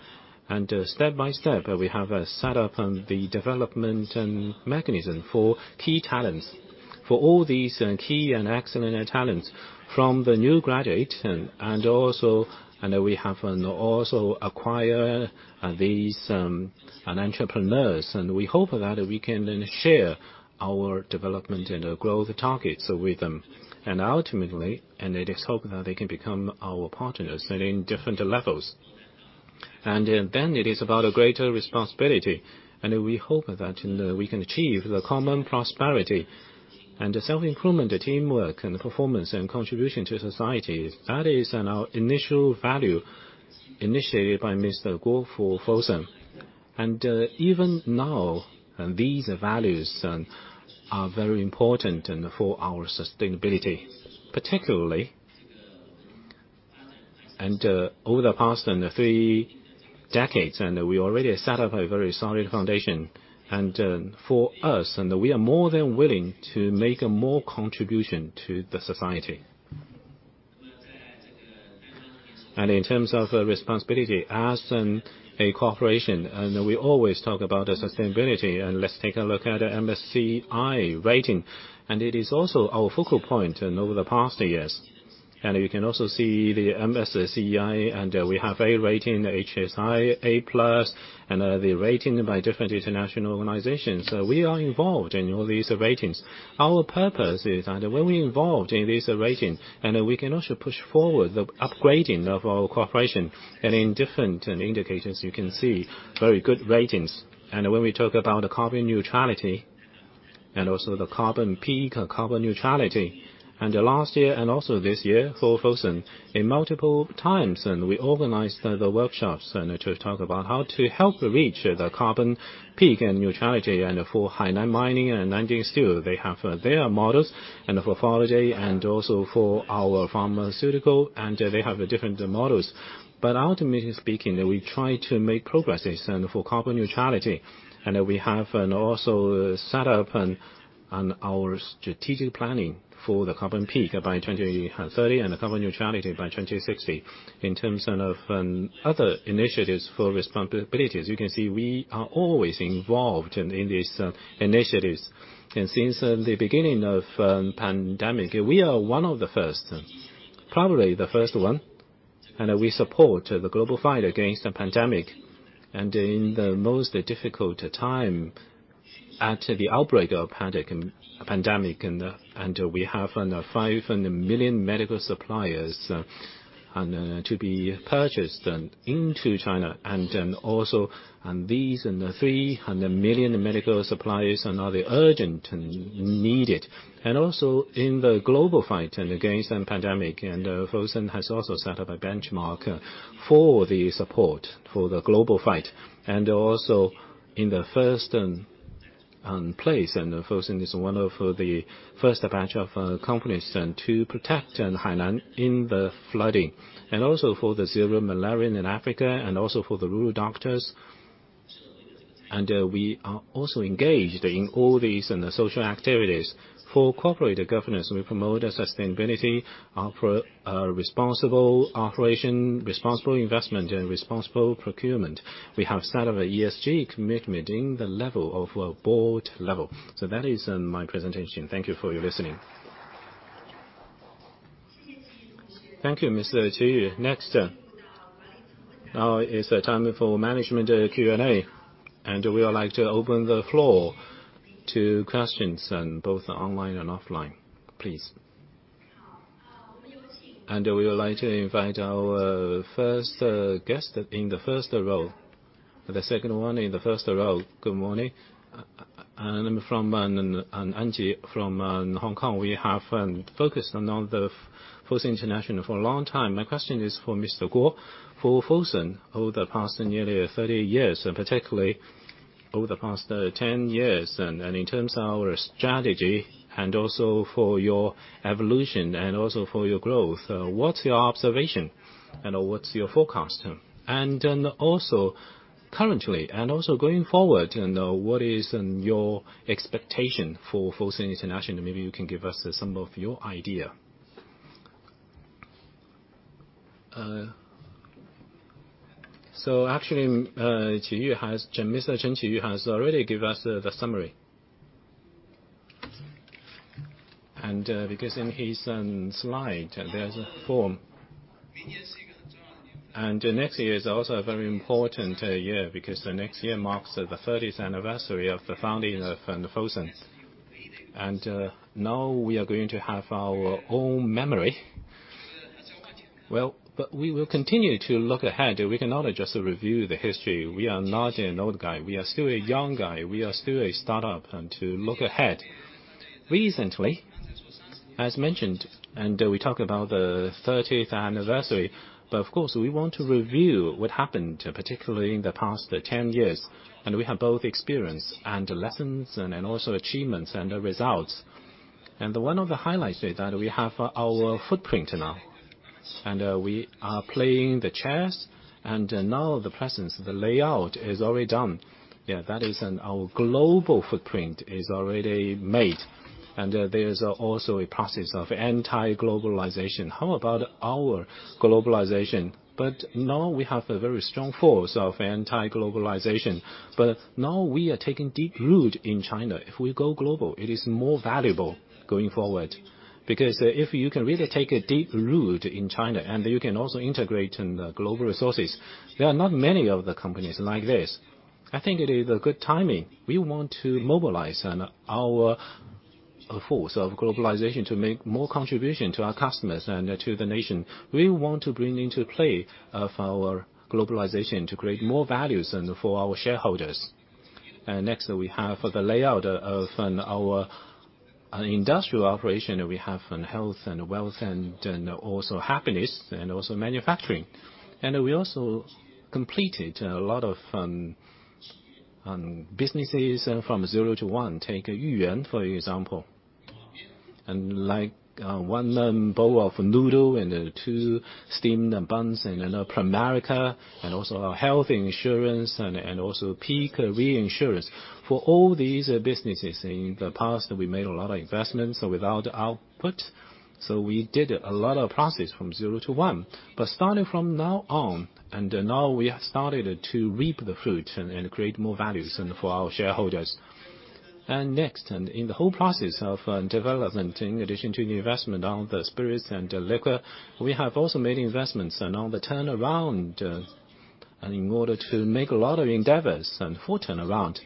Step-by-step, we have set up the development mechanism for key talents. For all these key and excellent talents from the new graduate, and we have also acquired these entrepreneurs, and we hope that we can then share our development and growth targets with them. Ultimately, it is hoped that they can become our partners in different levels. Then it is about a greater responsibility. We hope that we can achieve the common prosperity. Self-improvement, teamwork, and performance and contribution to society, that is in our initial value initiated by Mr. Guo for Fosun. Even now, these values are very important for our sustainability. Particularly, over the past three decades, we already set up a very solid foundation. For us, we are more than willing to make more contribution to the society. In terms of responsibility, as a corporation, we always talk about sustainability. Let's take a look at the MSCI rating. It is also our focal point over the past years. You can also see the MSCI, and we have A rating, HSI A+, and the rating by different international organizations. We are involved in all these ratings. Our purpose is when we involved in this rating, and we can also push forward the upgrading of our corporation. In different indicators, you can see very good ratings. When we talk about the carbon neutrality, and also the carbon peak or carbon neutrality. Last year, and also this year, Fosun in multiple times, we organized the workshops to talk about how to help reach the carbon peak and neutrality. For Hainan Mining and Nanjing Steel, they have their models. For Fidelidade and also for our Fosun Pharma, they have different models. Ultimately speaking, we try to make progresses for carbon neutrality. We have also set up our strategic planning for the carbon peak by 2030 and the carbon neutrality by 2060. In terms of other initiatives for responsibilities, you can see we are always involved in these initiatives. Since the beginning of pandemic, we are one of the first, probably the first one, and we support the global fight against the pandemic. In the most difficult time at the outbreak of pandemic, and we have 5 million medical suppliers to be purchased into China. These 3 million medical supplies are urgent and needed. In the global fight against the pandemic, Fosun has also set up a benchmark for the support for the global fight. In the first place, Fosun is one of the first batch of companies to protect Hainan in the flooding. For the Zero Malaria in Africa and also for the rural doctors. We are also engaged in all these social activities. For corporate governance, we promote sustainability for responsible operation, responsible investment, and responsible procurement. We have set up a ESG commitment in the level of our Board level. That is my presentation. Thank you for your listening. Thank you, Mr. Qiyu. Next. Now is the time for management Q&A. We would like to open the floor to questions, both online and offline. Please. We would like to invite our first guest in the first row. The second one in the first row. Good morning. I'm Angie from Hong Kong. We have focused on Fosun International for a long time. My question is for Mr. Guo. For Fosun, over the past nearly 30 years, and particularly over the past 10 years, and in terms of our strategy and also for your evolution and also for your growth, what's your observation? What's your forecast? Also currently and also going forward, what is your expectation for Fosun International? Maybe you can give us some of your idea. Actually, Mr. Chen Qiyu has already give us the summary. Because in his slide, there's a form. Next year is also a very important year because the next year marks the 30th anniversary of the founding of Fosun. Now we are going to have our own memory. We will continue to look ahead. We cannot just review the history. We are not an old guy. We are still a young guy. We are still a startup and to look ahead. Recently, as mentioned, we talk about the 30th anniversary, of course, we want to review what happened, particularly in the past 10 years. We have both experience and lessons and also achievements and results. The one of the highlights is that we have our footprint now. We are playing the chess, now the presence, the layout is already done. That is our global footprint is already made. There is also a process of anti-globalization. How about our globalization? Now we have a very strong force of anti-globalization. Now we are taking deep root in China. If we go global, it is more valuable going forward. If you can really take a deep root in China and you can also integrate global resources, there are not many other companies like this. I think it is a good timing. We want to mobilize our global-A force of globalization to make more contribution to our customers and to the nation. We want to bring into play our globalization to create more values for our shareholders. Next, we have the layout of our industrial operation that we have in Health and Wealth and also Happiness, and also Manufacturing. We also completed a lot of businesses from zero to one. Take Yuyuan, for example. Like one bowl of noodle and two Steamed Buns and Pramerica, and also our health insurance and also Peak Reinsurance. For all these businesses in the past, we made a lot of investments without output. We did a lot of process from zero to one. Starting from now on, we have started to reap the fruit and create more values for our shareholders. Next, in the whole process of development, in addition to the investment on the spirits and liquor, we have also made investments on the turnaround in order to make a lot of endeavors for turnaround.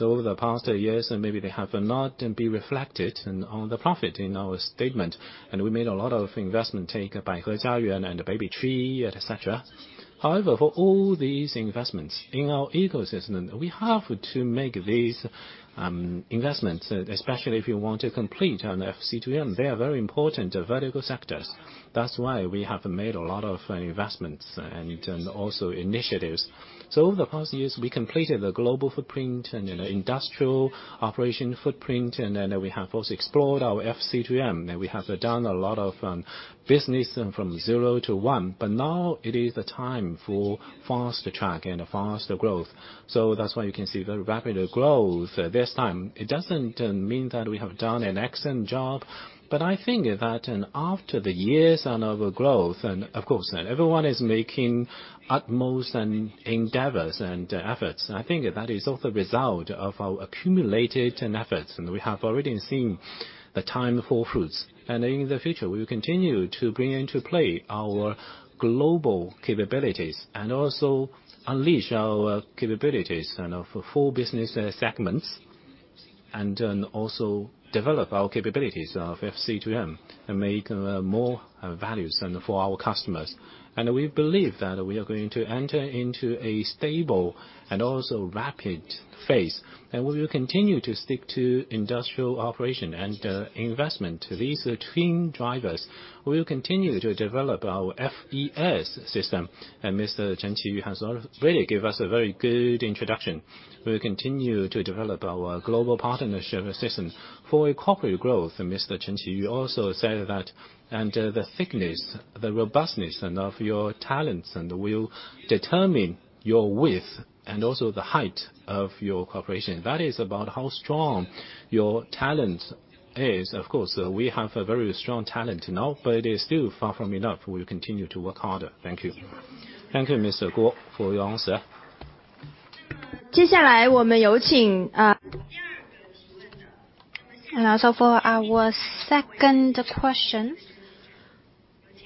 Over the past years, maybe they have not been reflected on the profit in our statement. We made a lot of investment take by [Yuyuan] and Babytree, etc. However, for all these investments in our ecosystem, we have to make these investments, especially if you want to complete on FC2M. They are very important, very good sectors. That's why we have made a lot of investments and also initiatives. Over the past years, we completed the global footprint and industrial operation footprint, and then we have also explored our FC2M. We have done a lot of business from zero to one, but now it is the time for faster track and faster growth. That's why you can see very rapid growth this time. It doesn't mean that we have done an excellent job, but I think that after the years of our growth, and of course, everyone is making utmost endeavors and efforts. I think that is also result of our accumulated efforts, and we have already seen the time for fruits. In the future, we will continue to bring into play our global capabilities and also unleash our capabilities for full-business segments, and then also develop our capabilities of FC2M and make more values for our customers. We believe that we are going to enter into a stable and also rapid phase. We will continue to stick to industrial operation and investment. These twin drivers will continue to develop our FES system. Mr. Chen Qiyu has already given us a very good introduction. We will continue to develop our global partnership system for corporate growth. Mr. Chen Qiyu also said that the thickness, the robustness of your talents will determine your width and also the height of your cooperation. That is about how strong your talent is. Of course, we have a very strong talent now, but it is still far from enough. We will continue to work harder. Thank you. Thank you, Mr. Guo, for your answer. For our second question.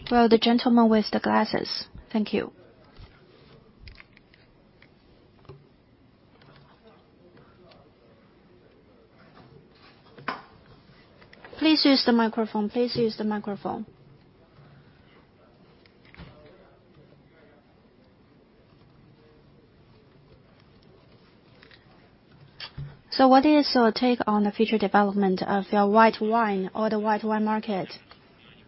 For the gentleman with the glasses. Thank you. Please use the microphone. What is your take on the future development of your white wine or the white wine market?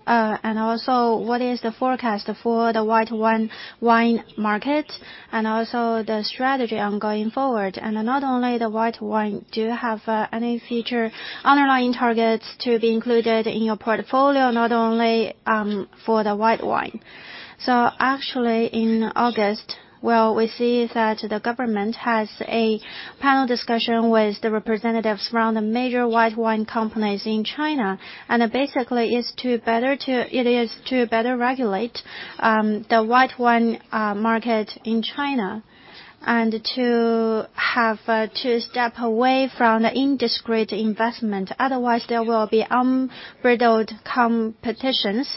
What is the forecast for the white wine market and also the strategy on going forward? Not only the white wine, do you have any future underlying targets to be included in your portfolio, not only for the white wine? Actually in August, we see that the government has a panel discussion with the representatives from the major white wine companies in China, and basically it is to better regulate the white wine market in China and to step away from the indiscreet investment. Otherwise, there will be unbridled competitions,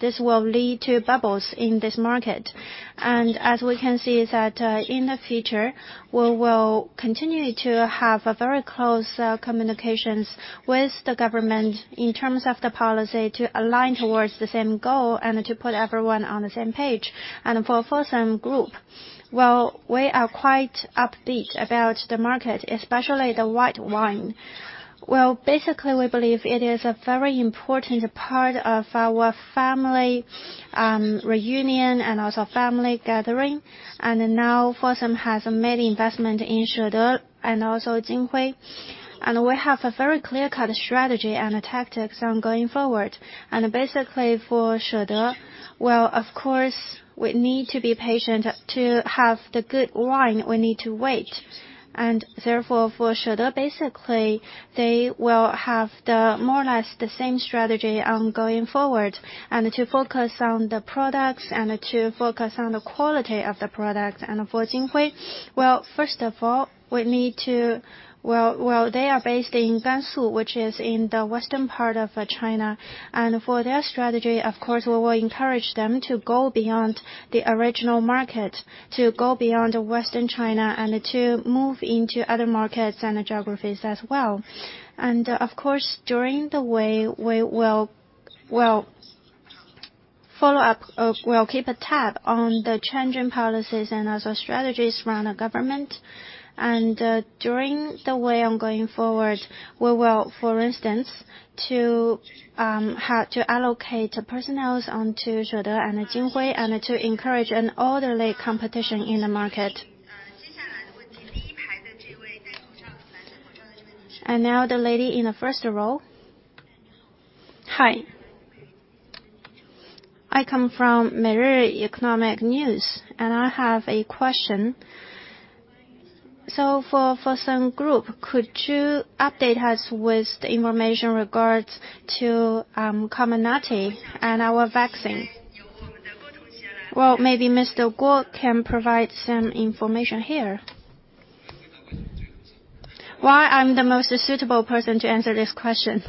this will lead to bubbles in this market. As we can see that in the future, we will continue to have very close communications with the government in terms of the policy to align towards the same goal and to put everyone on the same page. For Fosun Group, we are quite upbeat about the market, especially the white wine. Basically, we believe it is a very important part of our family reunion and also family gathering. Now Fosun has made investment in Shede and also Jinhui Liquor. We have a very clear-cut strategy and tactics on going forward. Basically for Shede, of course, we need to be patient. To have the good wine, we need to wait. Therefore, for Shede, basically, they will have more or less the same strategy on going forward and to focus on the products and to focus on the quality of the product. For Jinhui, first of all, they are based in Gansu, which is in the western part of China. For their strategy, of course, we will encourage them to go beyond the original market, to go beyond Western China and to move into other markets and geographies as well. Of course, during the way we will follow up, we'll keep a tab on the changing policies and also strategies from the government. During the way on going forward, we will, for instance, to allocate personnels onto Shede and Jinhui and to encourage an orderly competition in the market. Now the lady in the first row. Hi. I come from [Meiri] Economic News, and I have a question. For Fosun Group, could you update us with the information regards to Comirnaty and our vaccine? Well, maybe Mr. Guo can provide some information here. Why I'm the most suitable person to answer this question?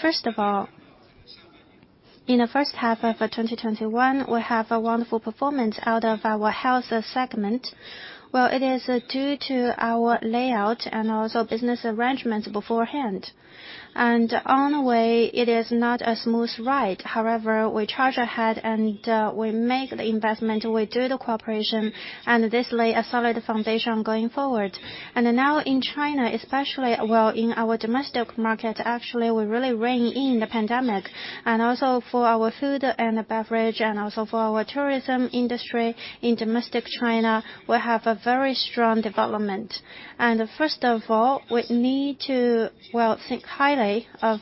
First of all, in the first half of 2021, we have a wonderful performance out of our Health segment. It is due to our layout and also business arrangements beforehand. On the way, it is not a smooth ride. However, we charge ahead and we make the investment, we do the cooperation, and this lay a solid foundation going forward. Now in China, especially, in our domestic market, actually, we really rein in the pandemic. Also for our food and beverage and also for our tourism industry in domestic China, we have a very strong development. First of all, we need to think highly of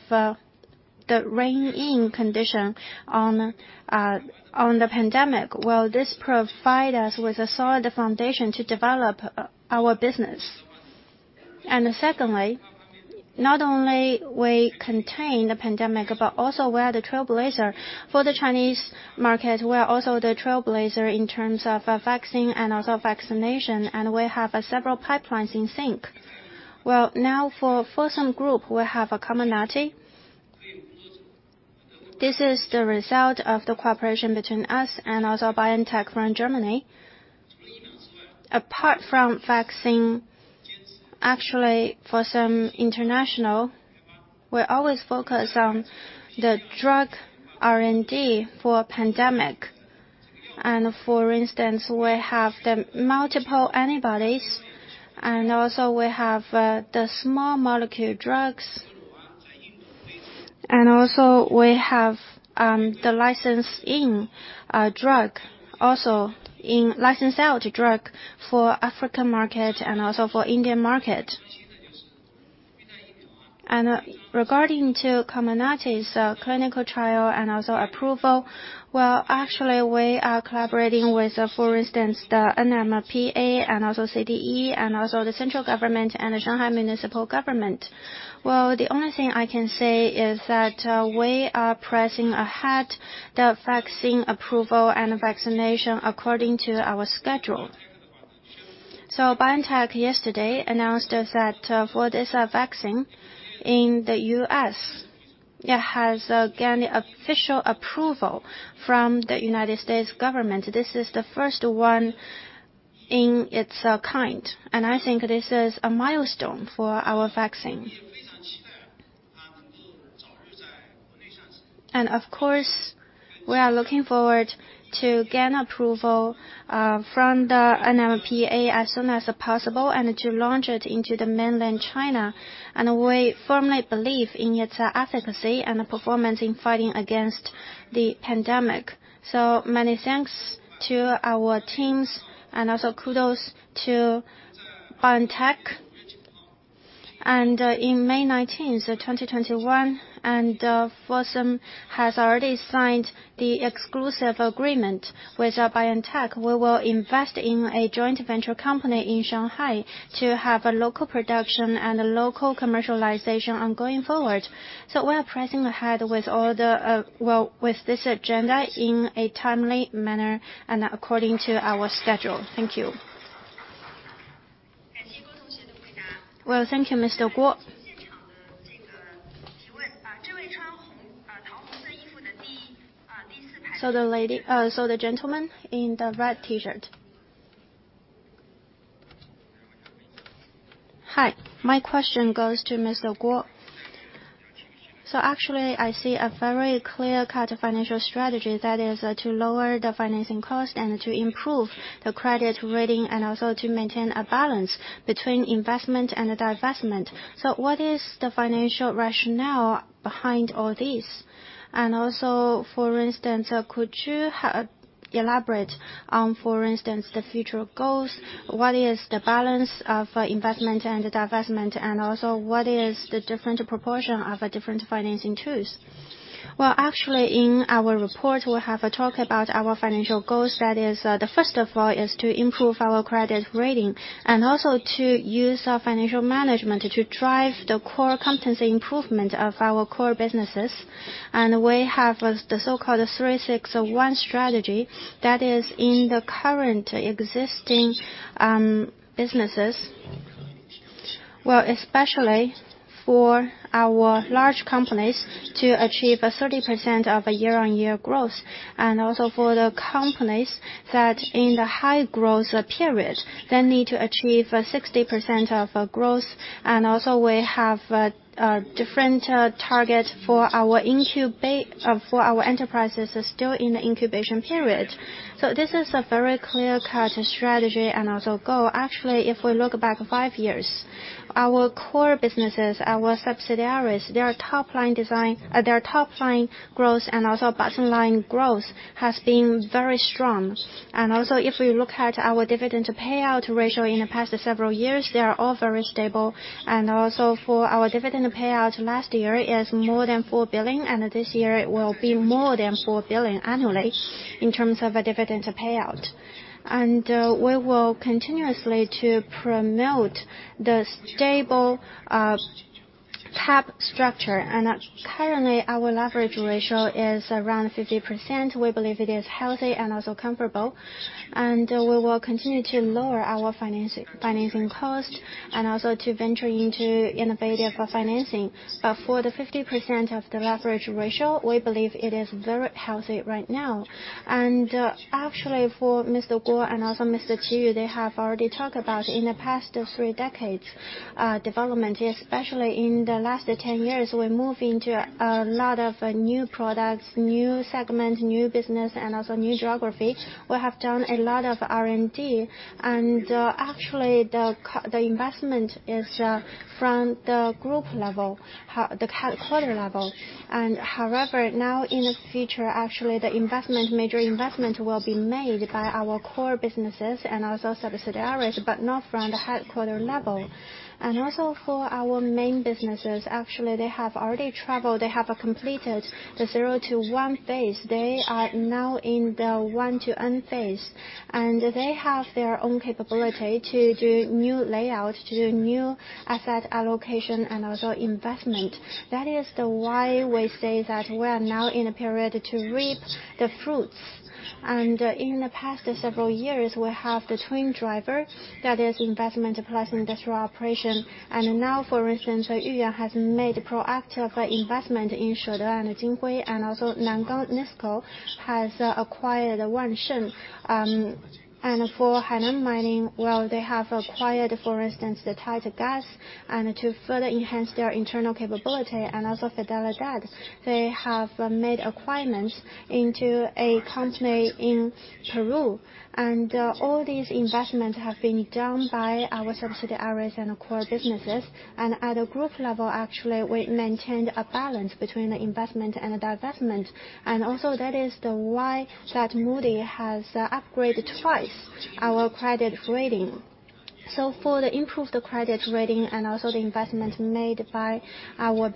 the rein in condition on the pandemic. This provide us with a solid foundation to develop our business. Secondly, not only we contain the pandemic, but also we are the trailblazer. For the Chinese market, we are also the trailblazer in terms of vaccine and also vaccination, and we have several pipelines in sync. Well, now for Fosun Group, we have Comirnaty. This is the result of the cooperation between us and also BioNTech from Germany. Apart from vaccine, actually, Fosun International, we always focus on the drug R&D for pandemic. For instance, we have the multiple antibodies, and also we have the small molecule drugs. Also, we have the license-in drug, also in license-out drug for African market and also for Indian market. Regarding to Comirnaty's clinical trial and also approval, well, actually, we are collaborating with, for instance, the NMPA and also CDE, and also the central government and the Shanghai Municipal Government. Well, the only thing I can say is that we are pressing ahead the vaccine approval and vaccination according to our schedule. BioNTech yesterday announced that for this vaccine in the U.S., it has gained official approval from the United States government. This is the first one in its kind, and I think this is a milestone for our vaccine. Of course, we are looking forward to gain approval from the NMPA as soon as possible and to launch it into the mainland China. We firmly believe in its efficacy and performance in fighting against the pandemic. Many thanks to our teams and also kudos to BioNTech. In May 19th, 2021, and Fosun has already signed the exclusive agreement with BioNTech. We will invest in a joint venture company in Shanghai to have a local production and local commercialization going forward. We are pressing ahead with this agenda in a timely manner and according to our schedule. Thank you. Well, thank you, Mr. Guo. The gentleman in the red t-shirt. Hi, my question goes to Mr. Guo. Actually, I see a very clear-cut financial strategy that is to lower the financing cost and to improve the credit rating, and also to maintain a balance between investment and the divestment. What is the financial rationale behind all this? Also, for instance, could you elaborate on, for instance, the future goals? What is the balance of investment and divestment, and also what is the different proportion of different financing tools? Well, actually in our report, we have a talk about our financial goals. That is, first of all, is to improve our credit rating and also to use our financial management to drive the core competency improvement of our core businesses. We have the so-called 361 Strategy, that is in the current existing businesses. Well, especially for our large companies to achieve 30% of year-on-year growth, and also for the companies that in the high growth period, they need to achieve 60% of growth. We have a different target for our enterprises still in the incubation period. This is a very clear-cut strategy and also goal. Actually, if we look back five years, our core businesses, our subsidiaries, their top line growth, and also bottom line growth has been very strong. If we look at our dividend payout ratio in the past several years, they are all very stable. Also for our dividend payout last year is more than 4 billion, and this year it will be more than 4 billion annually in terms of a dividend payout. We will continuously to promote the stable cap structure. Currently, our leverage ratio is around 50%. We believe it is healthy and also comfortable. We will continue to lower our financing cost and also to venture into innovative financing. For the 50% of the leverage ratio, we believe it is very healthy right now. Actually for Mr. Gong and also Mr. Qiyu, they have already talked about in the past three decades, development, especially in the last 10 years, we moved into a lot of new products, new segments, new business, and also new geography. We have done a lot of R&D. Actually, the investment is from the Group level, the headquarter level. However, now in the future, actually, the major investment will be made by our core businesses and also subsidiaries, but not from the headquarter level. Also for our main businesses, actually, they have already traveled. They have completed the zero to one phase. They are now in the one to N phase, and they have their own capability to do new layouts, to do new asset allocation and also investment. That is why we say that we are now in a period to reap the fruits. In the past several years, we have the twin driver, that is investment plus industrial operation. Now, for instance, Yuyuan has made proactive investment in Shede and Jinhui Liquor, and also Nanjing NISCO has acquired Wansheng. For Hainan Mining, well, they have acquired, for instance, the tight gas and to further enhance their internal capability and also Fidelidade. They have made acquiring into a company in Peru. All these investments have been done by our subsidiaries and core businesses. At a Group level, actually, we maintained a balance between the investment and the divestment. Also that is why that Moody's has upgraded twice our credit rating. For the improved credit rating and also the investment made by our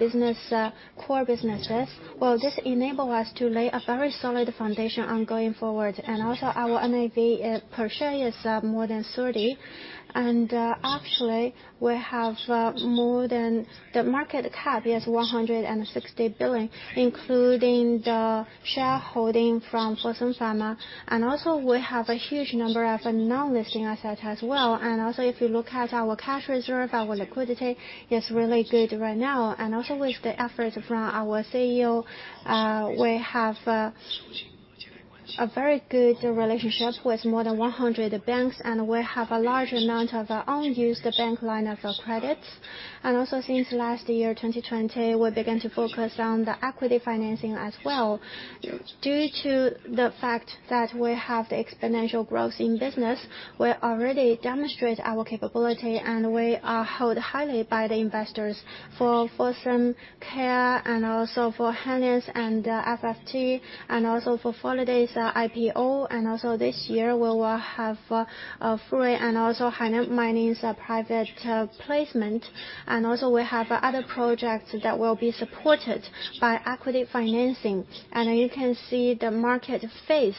core businesses, well, this enable us to lay a very solid foundation on going forward. Also our NAV per share is more than 30. Actually, the market cap is 160 billion, including the shareholding from Fosun Pharma. Also we have a huge number of non-listing assets as well. Also if you look at our cash reserve, our liquidity is really good right now. Also with the effort from our CEO, we have a very good relationship with more than 100 banks, and we have a large amount of unused bank line of credits. Also since last year, 2020, we began to focus on the equity financing as well. Due to the fact that we have the exponential growth in business, we already demonstrate our capability, and we are held highly by the investors for Fosun Health and also for Henlius and FFT, and also for Fidelidade's IPO. Also this year we will have Free and also Hainan Mining's private placement. Also we have other projects that will be supported by equity financing. You can see the market faith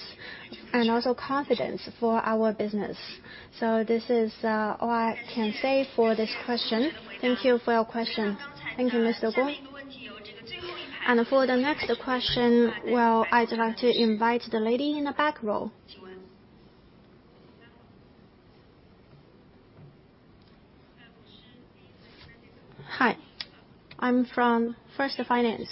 and also confidence for our business. This is all I can say for this question. Thank you for your question. Thank you, Mr. Guo. For the next question, well, I'd like to invite the lady in the back row. Hi, I'm from First Finance.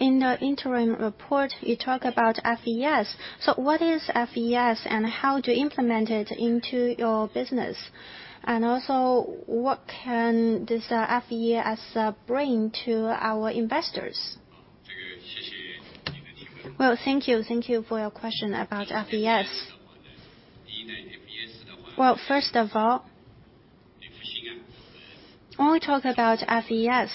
In the interim report, you talk about FES. What is FES and how to implement it into your business? Also, what can this FES bring to our investors? Well, thank you. Thank you for your question about FES. Well, first of all, when we talk about FES,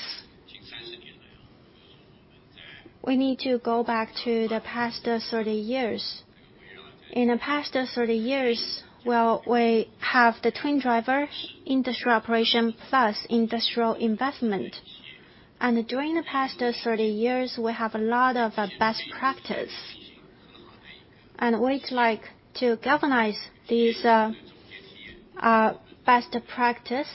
we need to go back to the past 30 years. In the past 30 years, well, we have the twin driver, industrial operation plus industrial investment. During the past 30 years, we have a lot of best practice. We'd like to galvanize these best practice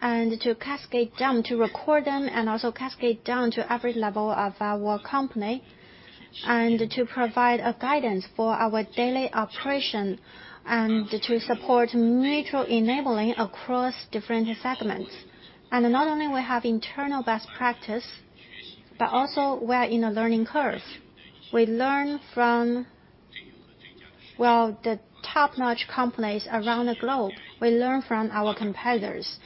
and to cascade down, to record them, and also cascade down to every level of our company, and to provide a guidance for our daily operation, and to support mutual enabling across different segments. Not only we have internal best practice, but also we are in a learning curve. We learn from the top-notch companies around the globe. We learn from our competitors.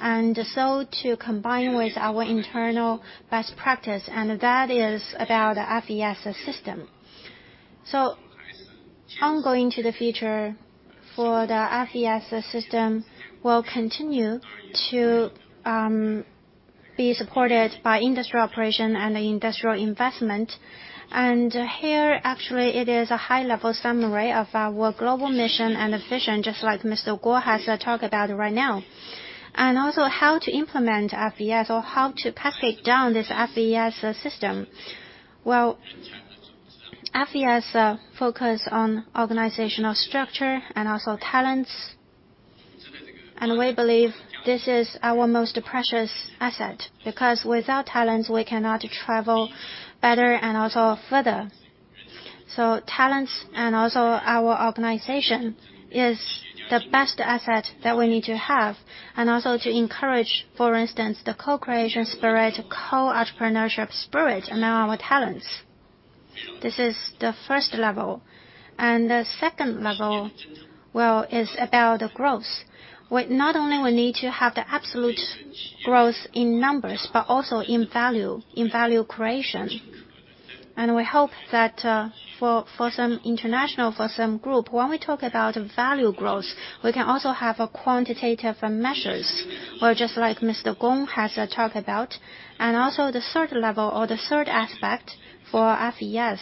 To combine with our internal best practice, and that is about FES system. Ongoing to the future for the FES system will continue to be supported by industry operation and industrial investment. Here, actually, it is a high-level summary of our global mission and vision, just like Mr. Guo has talked about right now. Also how to implement FES or how to cascade down this FES system. Well, FES focus on organizational structure and also talents. We believe this is our most precious asset, because without talents, we cannot travel better and also further. Talents and also our organization is the best asset that we need to have, and also to encourage, for instance, the co-creation spirit, co-entrepreneurship spirit among our talents. This is the first level. The second level, well, is about the growth. Not only we need to have the absolute growth in numbers, but also in value creation. We hope that for Fosun International, Fosun Group, when we talk about value growth, we can also have quantitative measures, or just like Mr. Gong has talked about. Also the third level or the third aspect for FES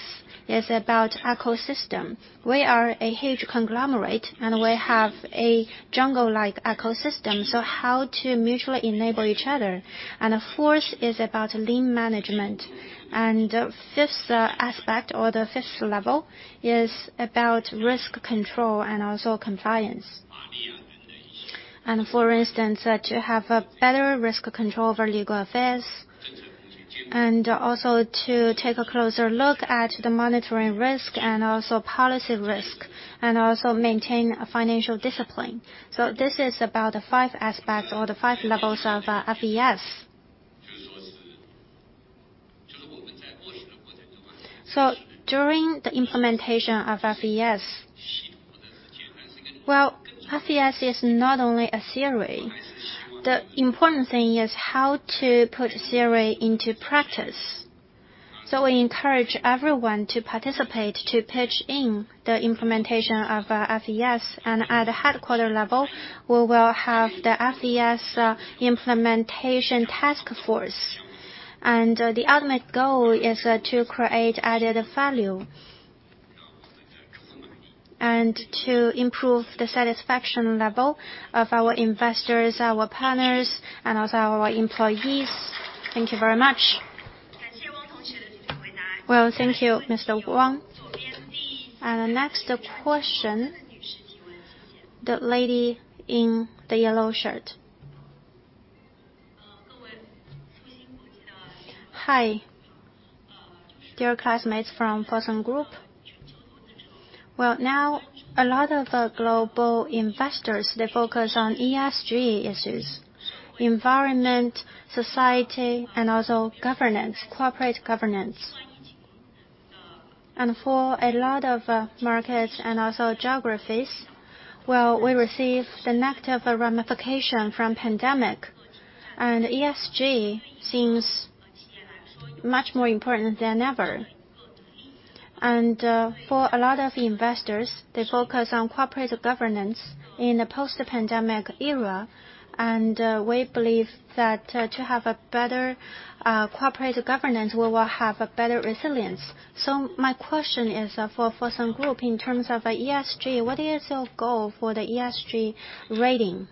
is about ecosystem. We are a huge conglomerate, and we have a jungle-like ecosystem. How to mutually enable each other. The fourth is about lean management. Fifth aspect or the fifth level is about risk control and also compliance. For instance, to have a better risk control over legal affairs, and also to take a closer look at the monitoring risk and also policy risk, and also maintain financial discipline. This is about the five aspects or the five levels of FES. During the implementation of FES. Well, FES is not only a theory. The important thing is how to put theory into practice. We encourage everyone to participate, to pitch in the implementation of FES. At headquarter level, we will have the FES implementation task force. The ultimate goal is to create added value and to improve the satisfaction level of our investors, our partners, and also our employees. Thank you very much. Well, thank you, Mr. Wang. The next question, the lady in the yellow shirt. Hi. Dear classmates from Fosun Group. Well, now a lot of global investors, they focus on ESG issues, environment, society, and also governance, corporate governance. For a lot of markets and also geographies, well, we receive the negative ramification from pandemic, and ESG seems much more important than ever. For a lot of investors, they focus on corporate governance in the post-pandemic era, and we believe that to have a better corporate governance, we will have a better resilience. My question is, for Fosun Group, in terms of ESG, what is your goal for the ESG rating?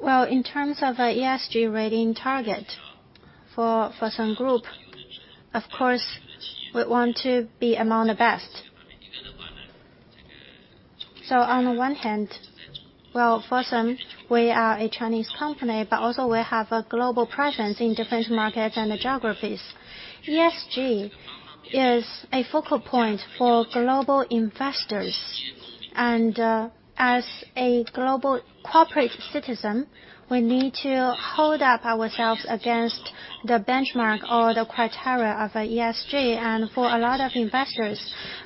Well, in terms of ESG rating target for Fosun Group, of course, we want to be among the best. On one hand, well, Fosun, we are a Chinese company, but also we have a global presence in different markets and geographies. ESG is a focal point for global investors. As a global corporate citizen, we need to hold up ourselves against the benchmark or the criteria of ESG. For a lot of investors,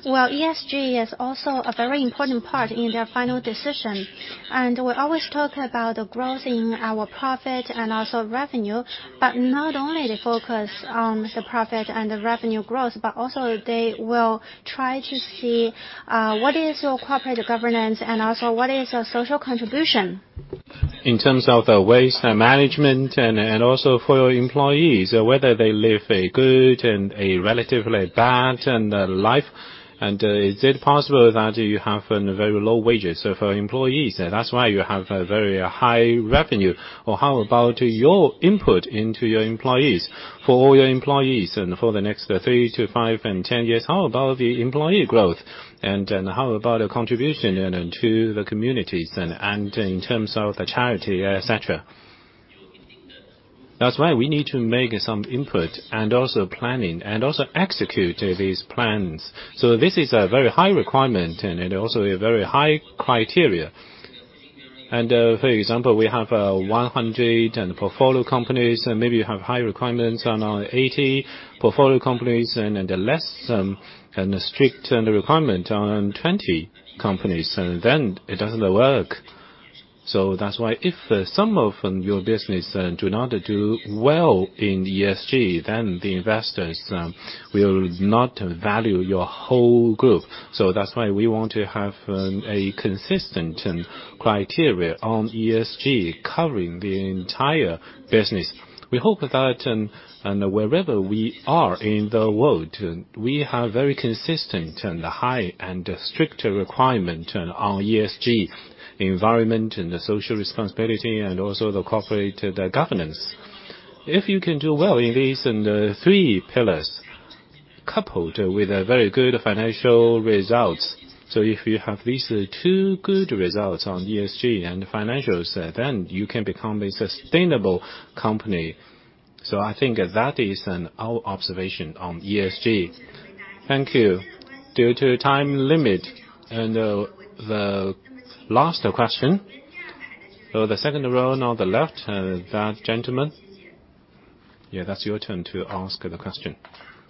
well, ESG is also a very important part in their final decision. We always talk about the growth in our profit and also revenue, but not only they focus on the profit and the revenue growth, but also they will try to see what is your corporate governance and also what is your social contribution. In terms of the waste management and also for your employees, whether they live a good and a relatively bad life. Is it possible that you have very low wages for employees? That's why you have a very high revenue. How about your input into your employees? For all your employees, and for the next three to five and 10 years, how about the employee growth? How about the contribution to the communities and in terms of the charity, etc? That's why we need to make some input and also planning, and also execute these plans. This is a very high requirement and also a very high criteria. For example, we have 100 portfolio companies, maybe you have high requirements on our 80 portfolio companies, and less strict requirement on 20 companies, then it doesn't work. That's why if some of your business do not do well in ESG, then the investors will not value your whole group. That's why we want to have a consistent criteria on ESG covering the entire business. We hope that wherever we are in the world, we have very consistent and high and strict requirement on ESG environment and social responsibility and also the corporate governance. If you can do well in these three pillars, coupled with very good financial results. If you have at least two good results on ESG and financials, then you can become a sustainable company. I think that is our observation on ESG. Thank you. Due to time limit, the last question. The second row on the left, that gentleman. Yeah, that's your turn to ask the question.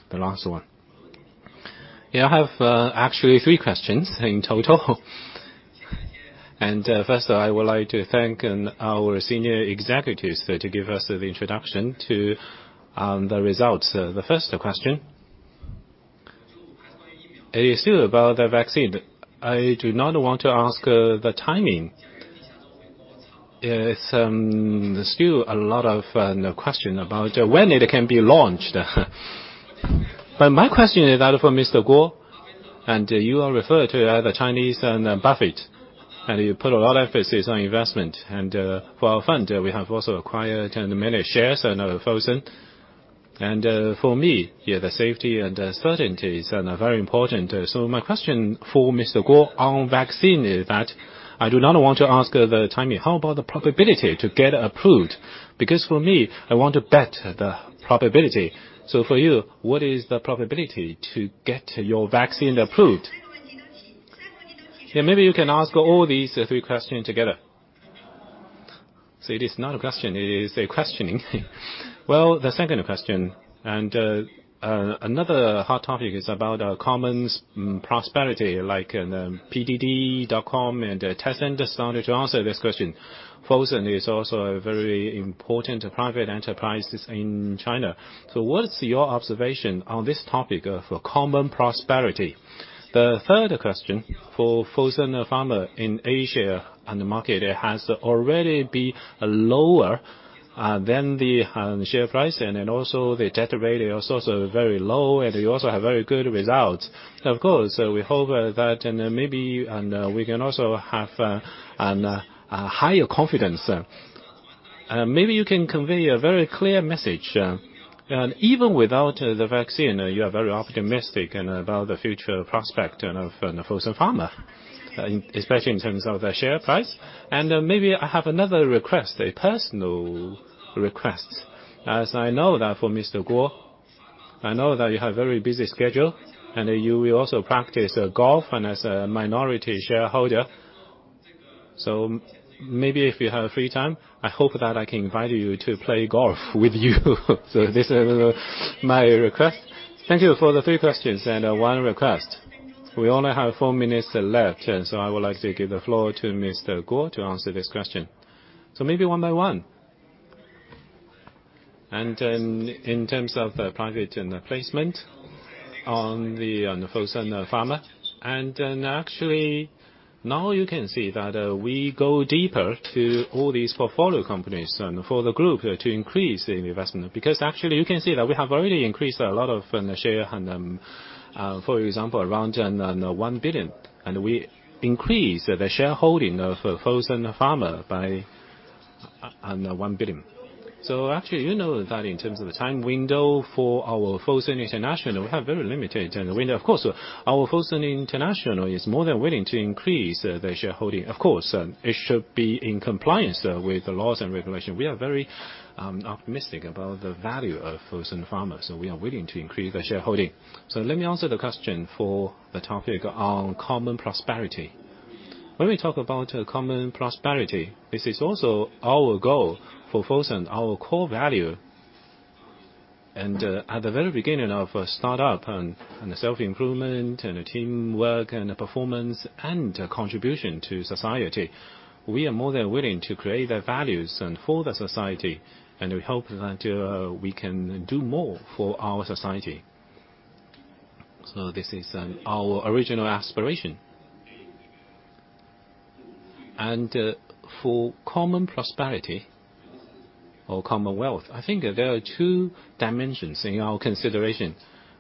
The last one. Yeah, I have actually three questions in total. First, I would like to thank our senior executives to give us the introduction to the results. The first question is still about the vaccine. I do not want to ask the timing. There's still a lot of question about when it can be launched. My question is out for Mr. Guo, you are referred to as the Chinese Buffett, you put a lot of emphasis on investment. For our fund, we have also acquired many shares in Fosun. For me, yeah, the safety and certainties are very important. My question for Mr. Guo on vaccine is that I do not want to ask the timing. How about the probability to get approved? Because for me, I want to bet the probability. For you, what is the probability to get your vaccine approved? Yeah, maybe you can ask all these three questions together. It is not a question, it is a questioning. The second question, and another hot topic is about common prosperity, like pdd.com and Tencent started to answer this question. Fosun is also a very important private enterprises in China. What's your observation on this topic of common prosperity? The third question for Fosun Pharma in Asia, and the market has already been lower than the share price, and also the debt rate is also very low, and you also have very good results. Of course, we hope that maybe we can also have a higher confidence. Maybe you can convey a very clear message. Even without the vaccine, you are very optimistic about the future prospect of Fosun Pharma, especially in terms of the share price. Maybe I have another request, a personal request. As I know that for Mr. Guo, I know that you have very busy schedule, and you will also practice golf and as a minority shareholder. Maybe if you have free time, I hope that I can invite you to play golf with you. This is my request. Thank you for the three questions and one request. We only have four minutes left, so I would like to give the floor to Mr. Guo to answer this question. Maybe one-by-one. In terms of the private placement on the Fosun Pharma. Actually, now you can see that we go deeper to all these portfolio companies for the Group to increase the investment. Because actually, you can see that we have already increased a lot of the share. For example, around 1 billion, and we increased the shareholding of Fosun Pharma by 1 billion. Actually, you know that in terms of the time window for our Fosun International, we have very limited window. Our Fosun International is more than willing to increase the shareholding. It should be in compliance with the laws and regulations. We are very optimistic about the value of Fosun Pharma, we are willing to increase the shareholding. Let me answer the question for the topic on common prosperity. When we talk about common prosperity, this is also our goal for Fosun, our core value. At the very beginning of startup, on self-improvement and teamwork and performance and contribution to society, we are more than willing to create the values for the society, and we hope that we can do more for our society. This is our original aspiration. For common prosperity or commonwealth, I think there are two dimensions in our consideration.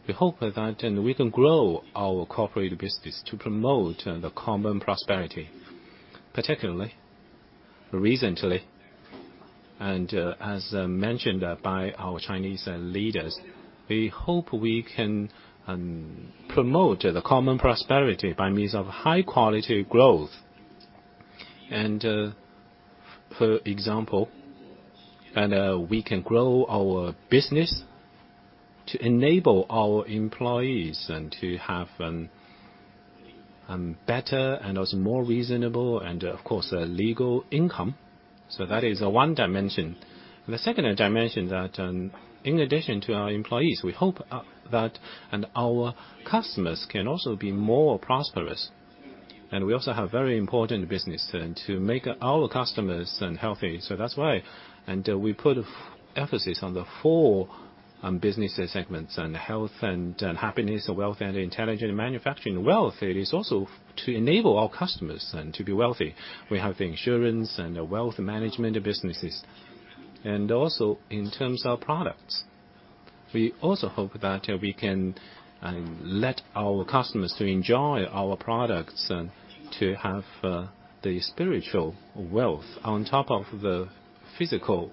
We hope that we can grow our corporate business to promote the common prosperity. Particularly, recently, as mentioned by our Chinese leaders, we hope we can promote the common prosperity by means of high-quality growth. For example, we can grow our business to enable our employees to have a better and also more reasonable and, of course, a legal income. That is one dimension. The second dimension that in addition to our employees, we hope that our customers can also be more prosperous. We also have very important business to make our customers healthy. That's why we put emphasis on the four business segments and Health and Happiness or Wealth and Intelligent Manufacturing wealth. It is also to enable our customers to be wealthy. We have insurance and wealth management businesses. Also, in terms of products, we also hope that we can let our customers to enjoy our products and to have the spiritual wealth on top of the physical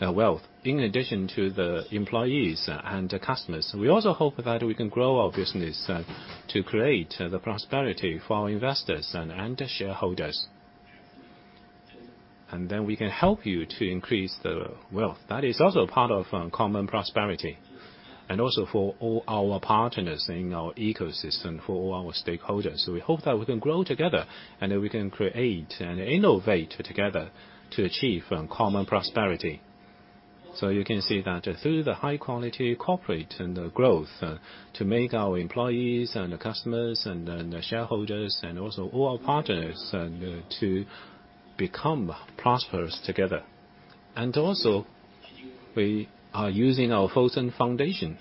wealth. In addition to the employees and customers, we also hope that we can grow our business to create the prosperity for our investors and shareholders. We can help you to increase the wealth. That is also part of common prosperity for all our partners in our ecosystem, for all our stakeholders. We hope that we can grow together and that we can create and innovate together to achieve common prosperity. You can see that through the high-quality corporate and growth to make our employees and customers and shareholders and also all our partners to become prosperous together. Also, we are using our Fosun Foundation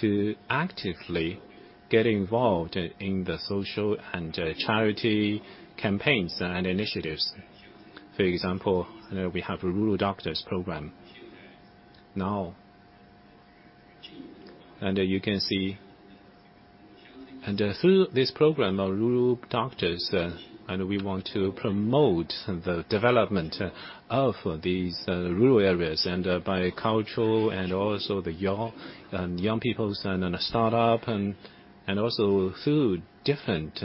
to actively get involved in the social and charity campaigns and initiatives. For example, we have a Rural Doctors Program now. You can see through this Rural Doctors Program, we want to promote the development of these rural areas by cultural and also the young people and startups and also through different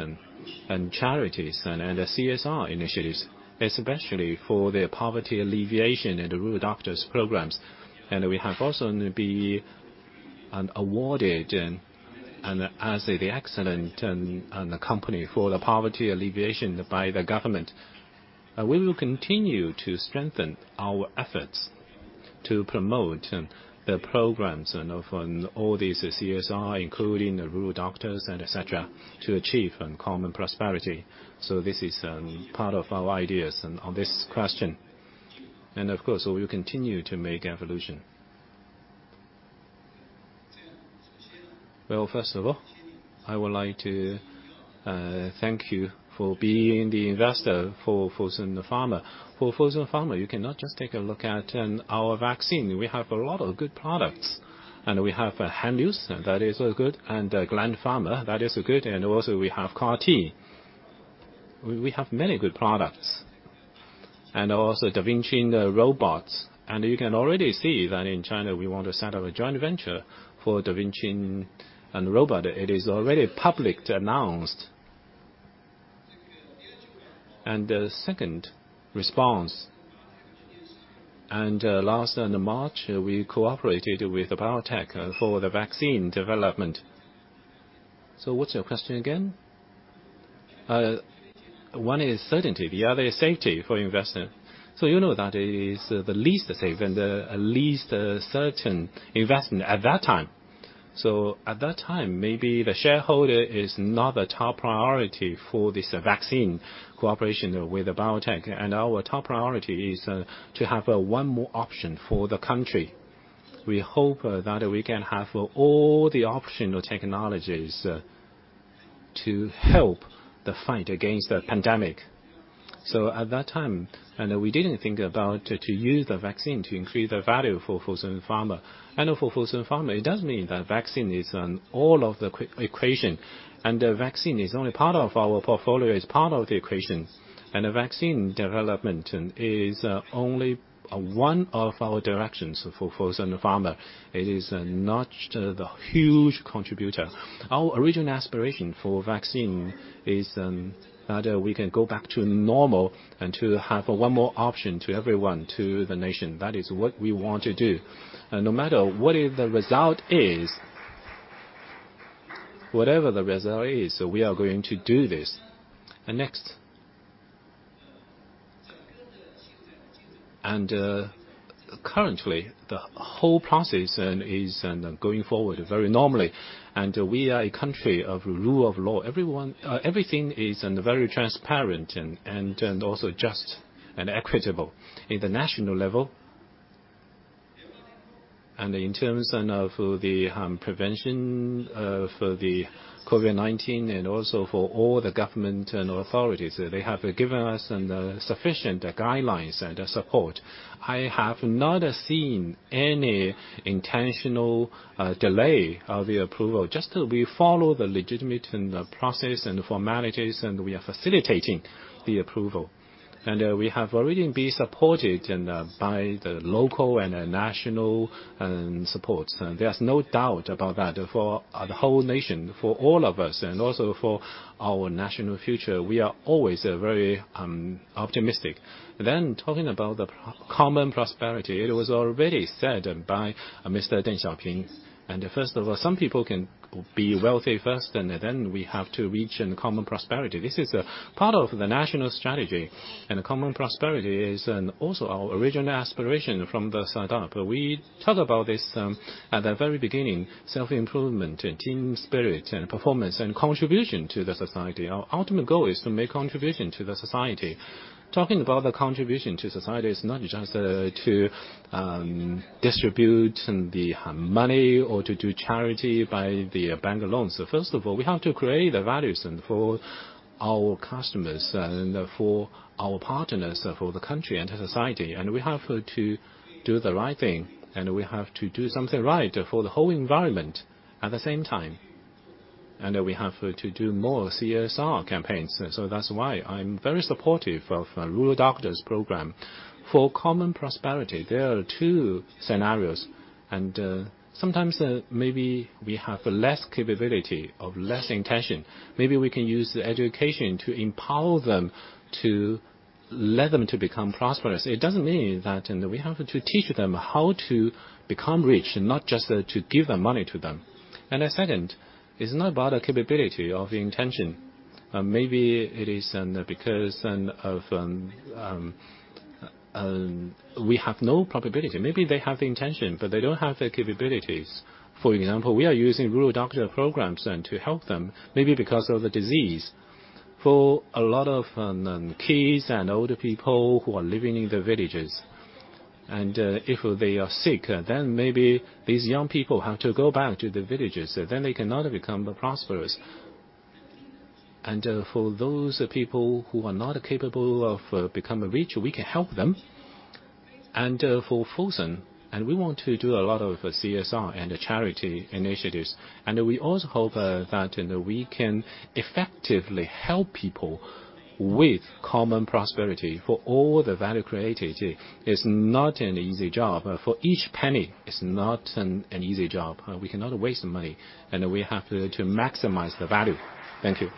charities and CSR initiatives, especially for their Poverty Alleviation and the Rural Doctors Programs. We have also been awarded as the Excellent Company for the Poverty Alleviation by the government. We will continue to strengthen our efforts to promote the programs and all these CSR, including the Rural Doctors Programs etc, to achieve common prosperity. This is part of our ideas on this question. Of course, we will continue to make evolution. Well, first of all, I would like to thank you for being the investor for Fosun Pharma. For Fosun Pharma, you cannot just take a look at our vaccine. We have a lot of good products. We have Henlius, that is good, Gland Pharma, that is good. Also, we have CAR T. We have many good products. Also Da Vinci robots. You can already see that in China, we want to set up a joint venture for Da Vinci robot. It is already public announced. The second response. Last March, we cooperated with BioNTech for the vaccine development. What's your question again? One is certainty, the other is safety for investment. You know that is the least safe and the least certain investment at that time. At that time, maybe the shareholder is not the top priority for this vaccine cooperation with BioNTech. Our top priority is to have one more option for the country. We hope that we can have all the optional technologies to help the fight against the pandemic. At that time, we didn't think about to use the vaccine to increase the value for Fosun Pharma. For Fosun Pharma, it does mean that vaccine is all of the equation, and the vaccine is only part of our portfolio as part of the equation. The vaccine development is only one of our directions for Fosun Pharma. It is not the huge contributor. Our original aspiration for vaccine is that we can go back to normal and to have one more option to everyone, to the nation. That is what we want to do. No matter what the result is, we are going to do this. Next. Currently, the whole process is going forward very normally. We are a country of rule of law. Everything is very transparent and also just and equitable. In the national level and in terms of the prevention for the COVID-19 and also for all the government and authorities, they have given us sufficient guidelines and support. I have not seen any intentional delay of the approval. Just we follow the legitimate process and formalities, we are facilitating the approval. We have already been supported by the local and national supports. There's no doubt about that for the whole nation, for all of us, and also for our national future, we are always very optimistic. Talking about the common prosperity, it was already said by Mr. Deng Xiaoping. First of all, some people can be wealthy first, and then we have to reach in common prosperity. This is a part of the national strategy, and common prosperity is also our original aspiration from the start. We talked about this at the very beginning, self-improvement, team spirit and performance, and contribution to the society. Our ultimate goal is to make contribution to the society. Talking about the contribution to society is not just to distribute the money or to do charity by the bank loans. First of all, we have to create the values for our customers and for our partners, for the country and the society. We have to do the right thing, and we have to do something right for the whole environment at the same time. We have to do more CSR campaigns. That's why I'm very supportive of Rural Doctors Program. For common prosperity, there are two scenarios. Sometimes maybe we have less capability or less intention. Maybe we can use the education to empower them to let them to become prosperous. It doesn't mean that we have to teach them how to become rich, not just to give money to them. The second is not about the capability or the intention. Maybe it is because we have no probability. Maybe they have the intention, but they don't have the capabilities. For example, we are using Rural Doctor Programs then to help them, maybe because of the disease. For a lot of kids and older people who are living in the villages, and if they are sick, then maybe these young people have to go back to the villages, then they cannot become prosperous. For those people who are not capable of becoming rich, we can help them. For Fosun, we want to do a lot of CSR and charity initiatives. We also hope that we can effectively help people with common prosperity. For all the value created, it is not an easy job. For each penny, it's not an easy job. We cannot waste money, and we have to maximize the value. Thank you.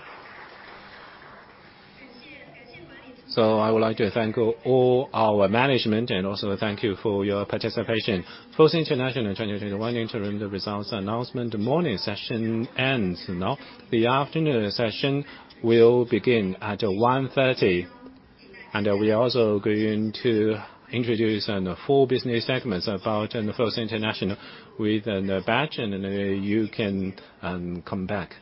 I would like to thank all our management and also thank you for your participation. Fosun International 2021 interim results announcement morning session ends now. The afternoon session will begin at 1:30 P.M. We're also going to introduce four business segments about Fosun International with batch, and you can come back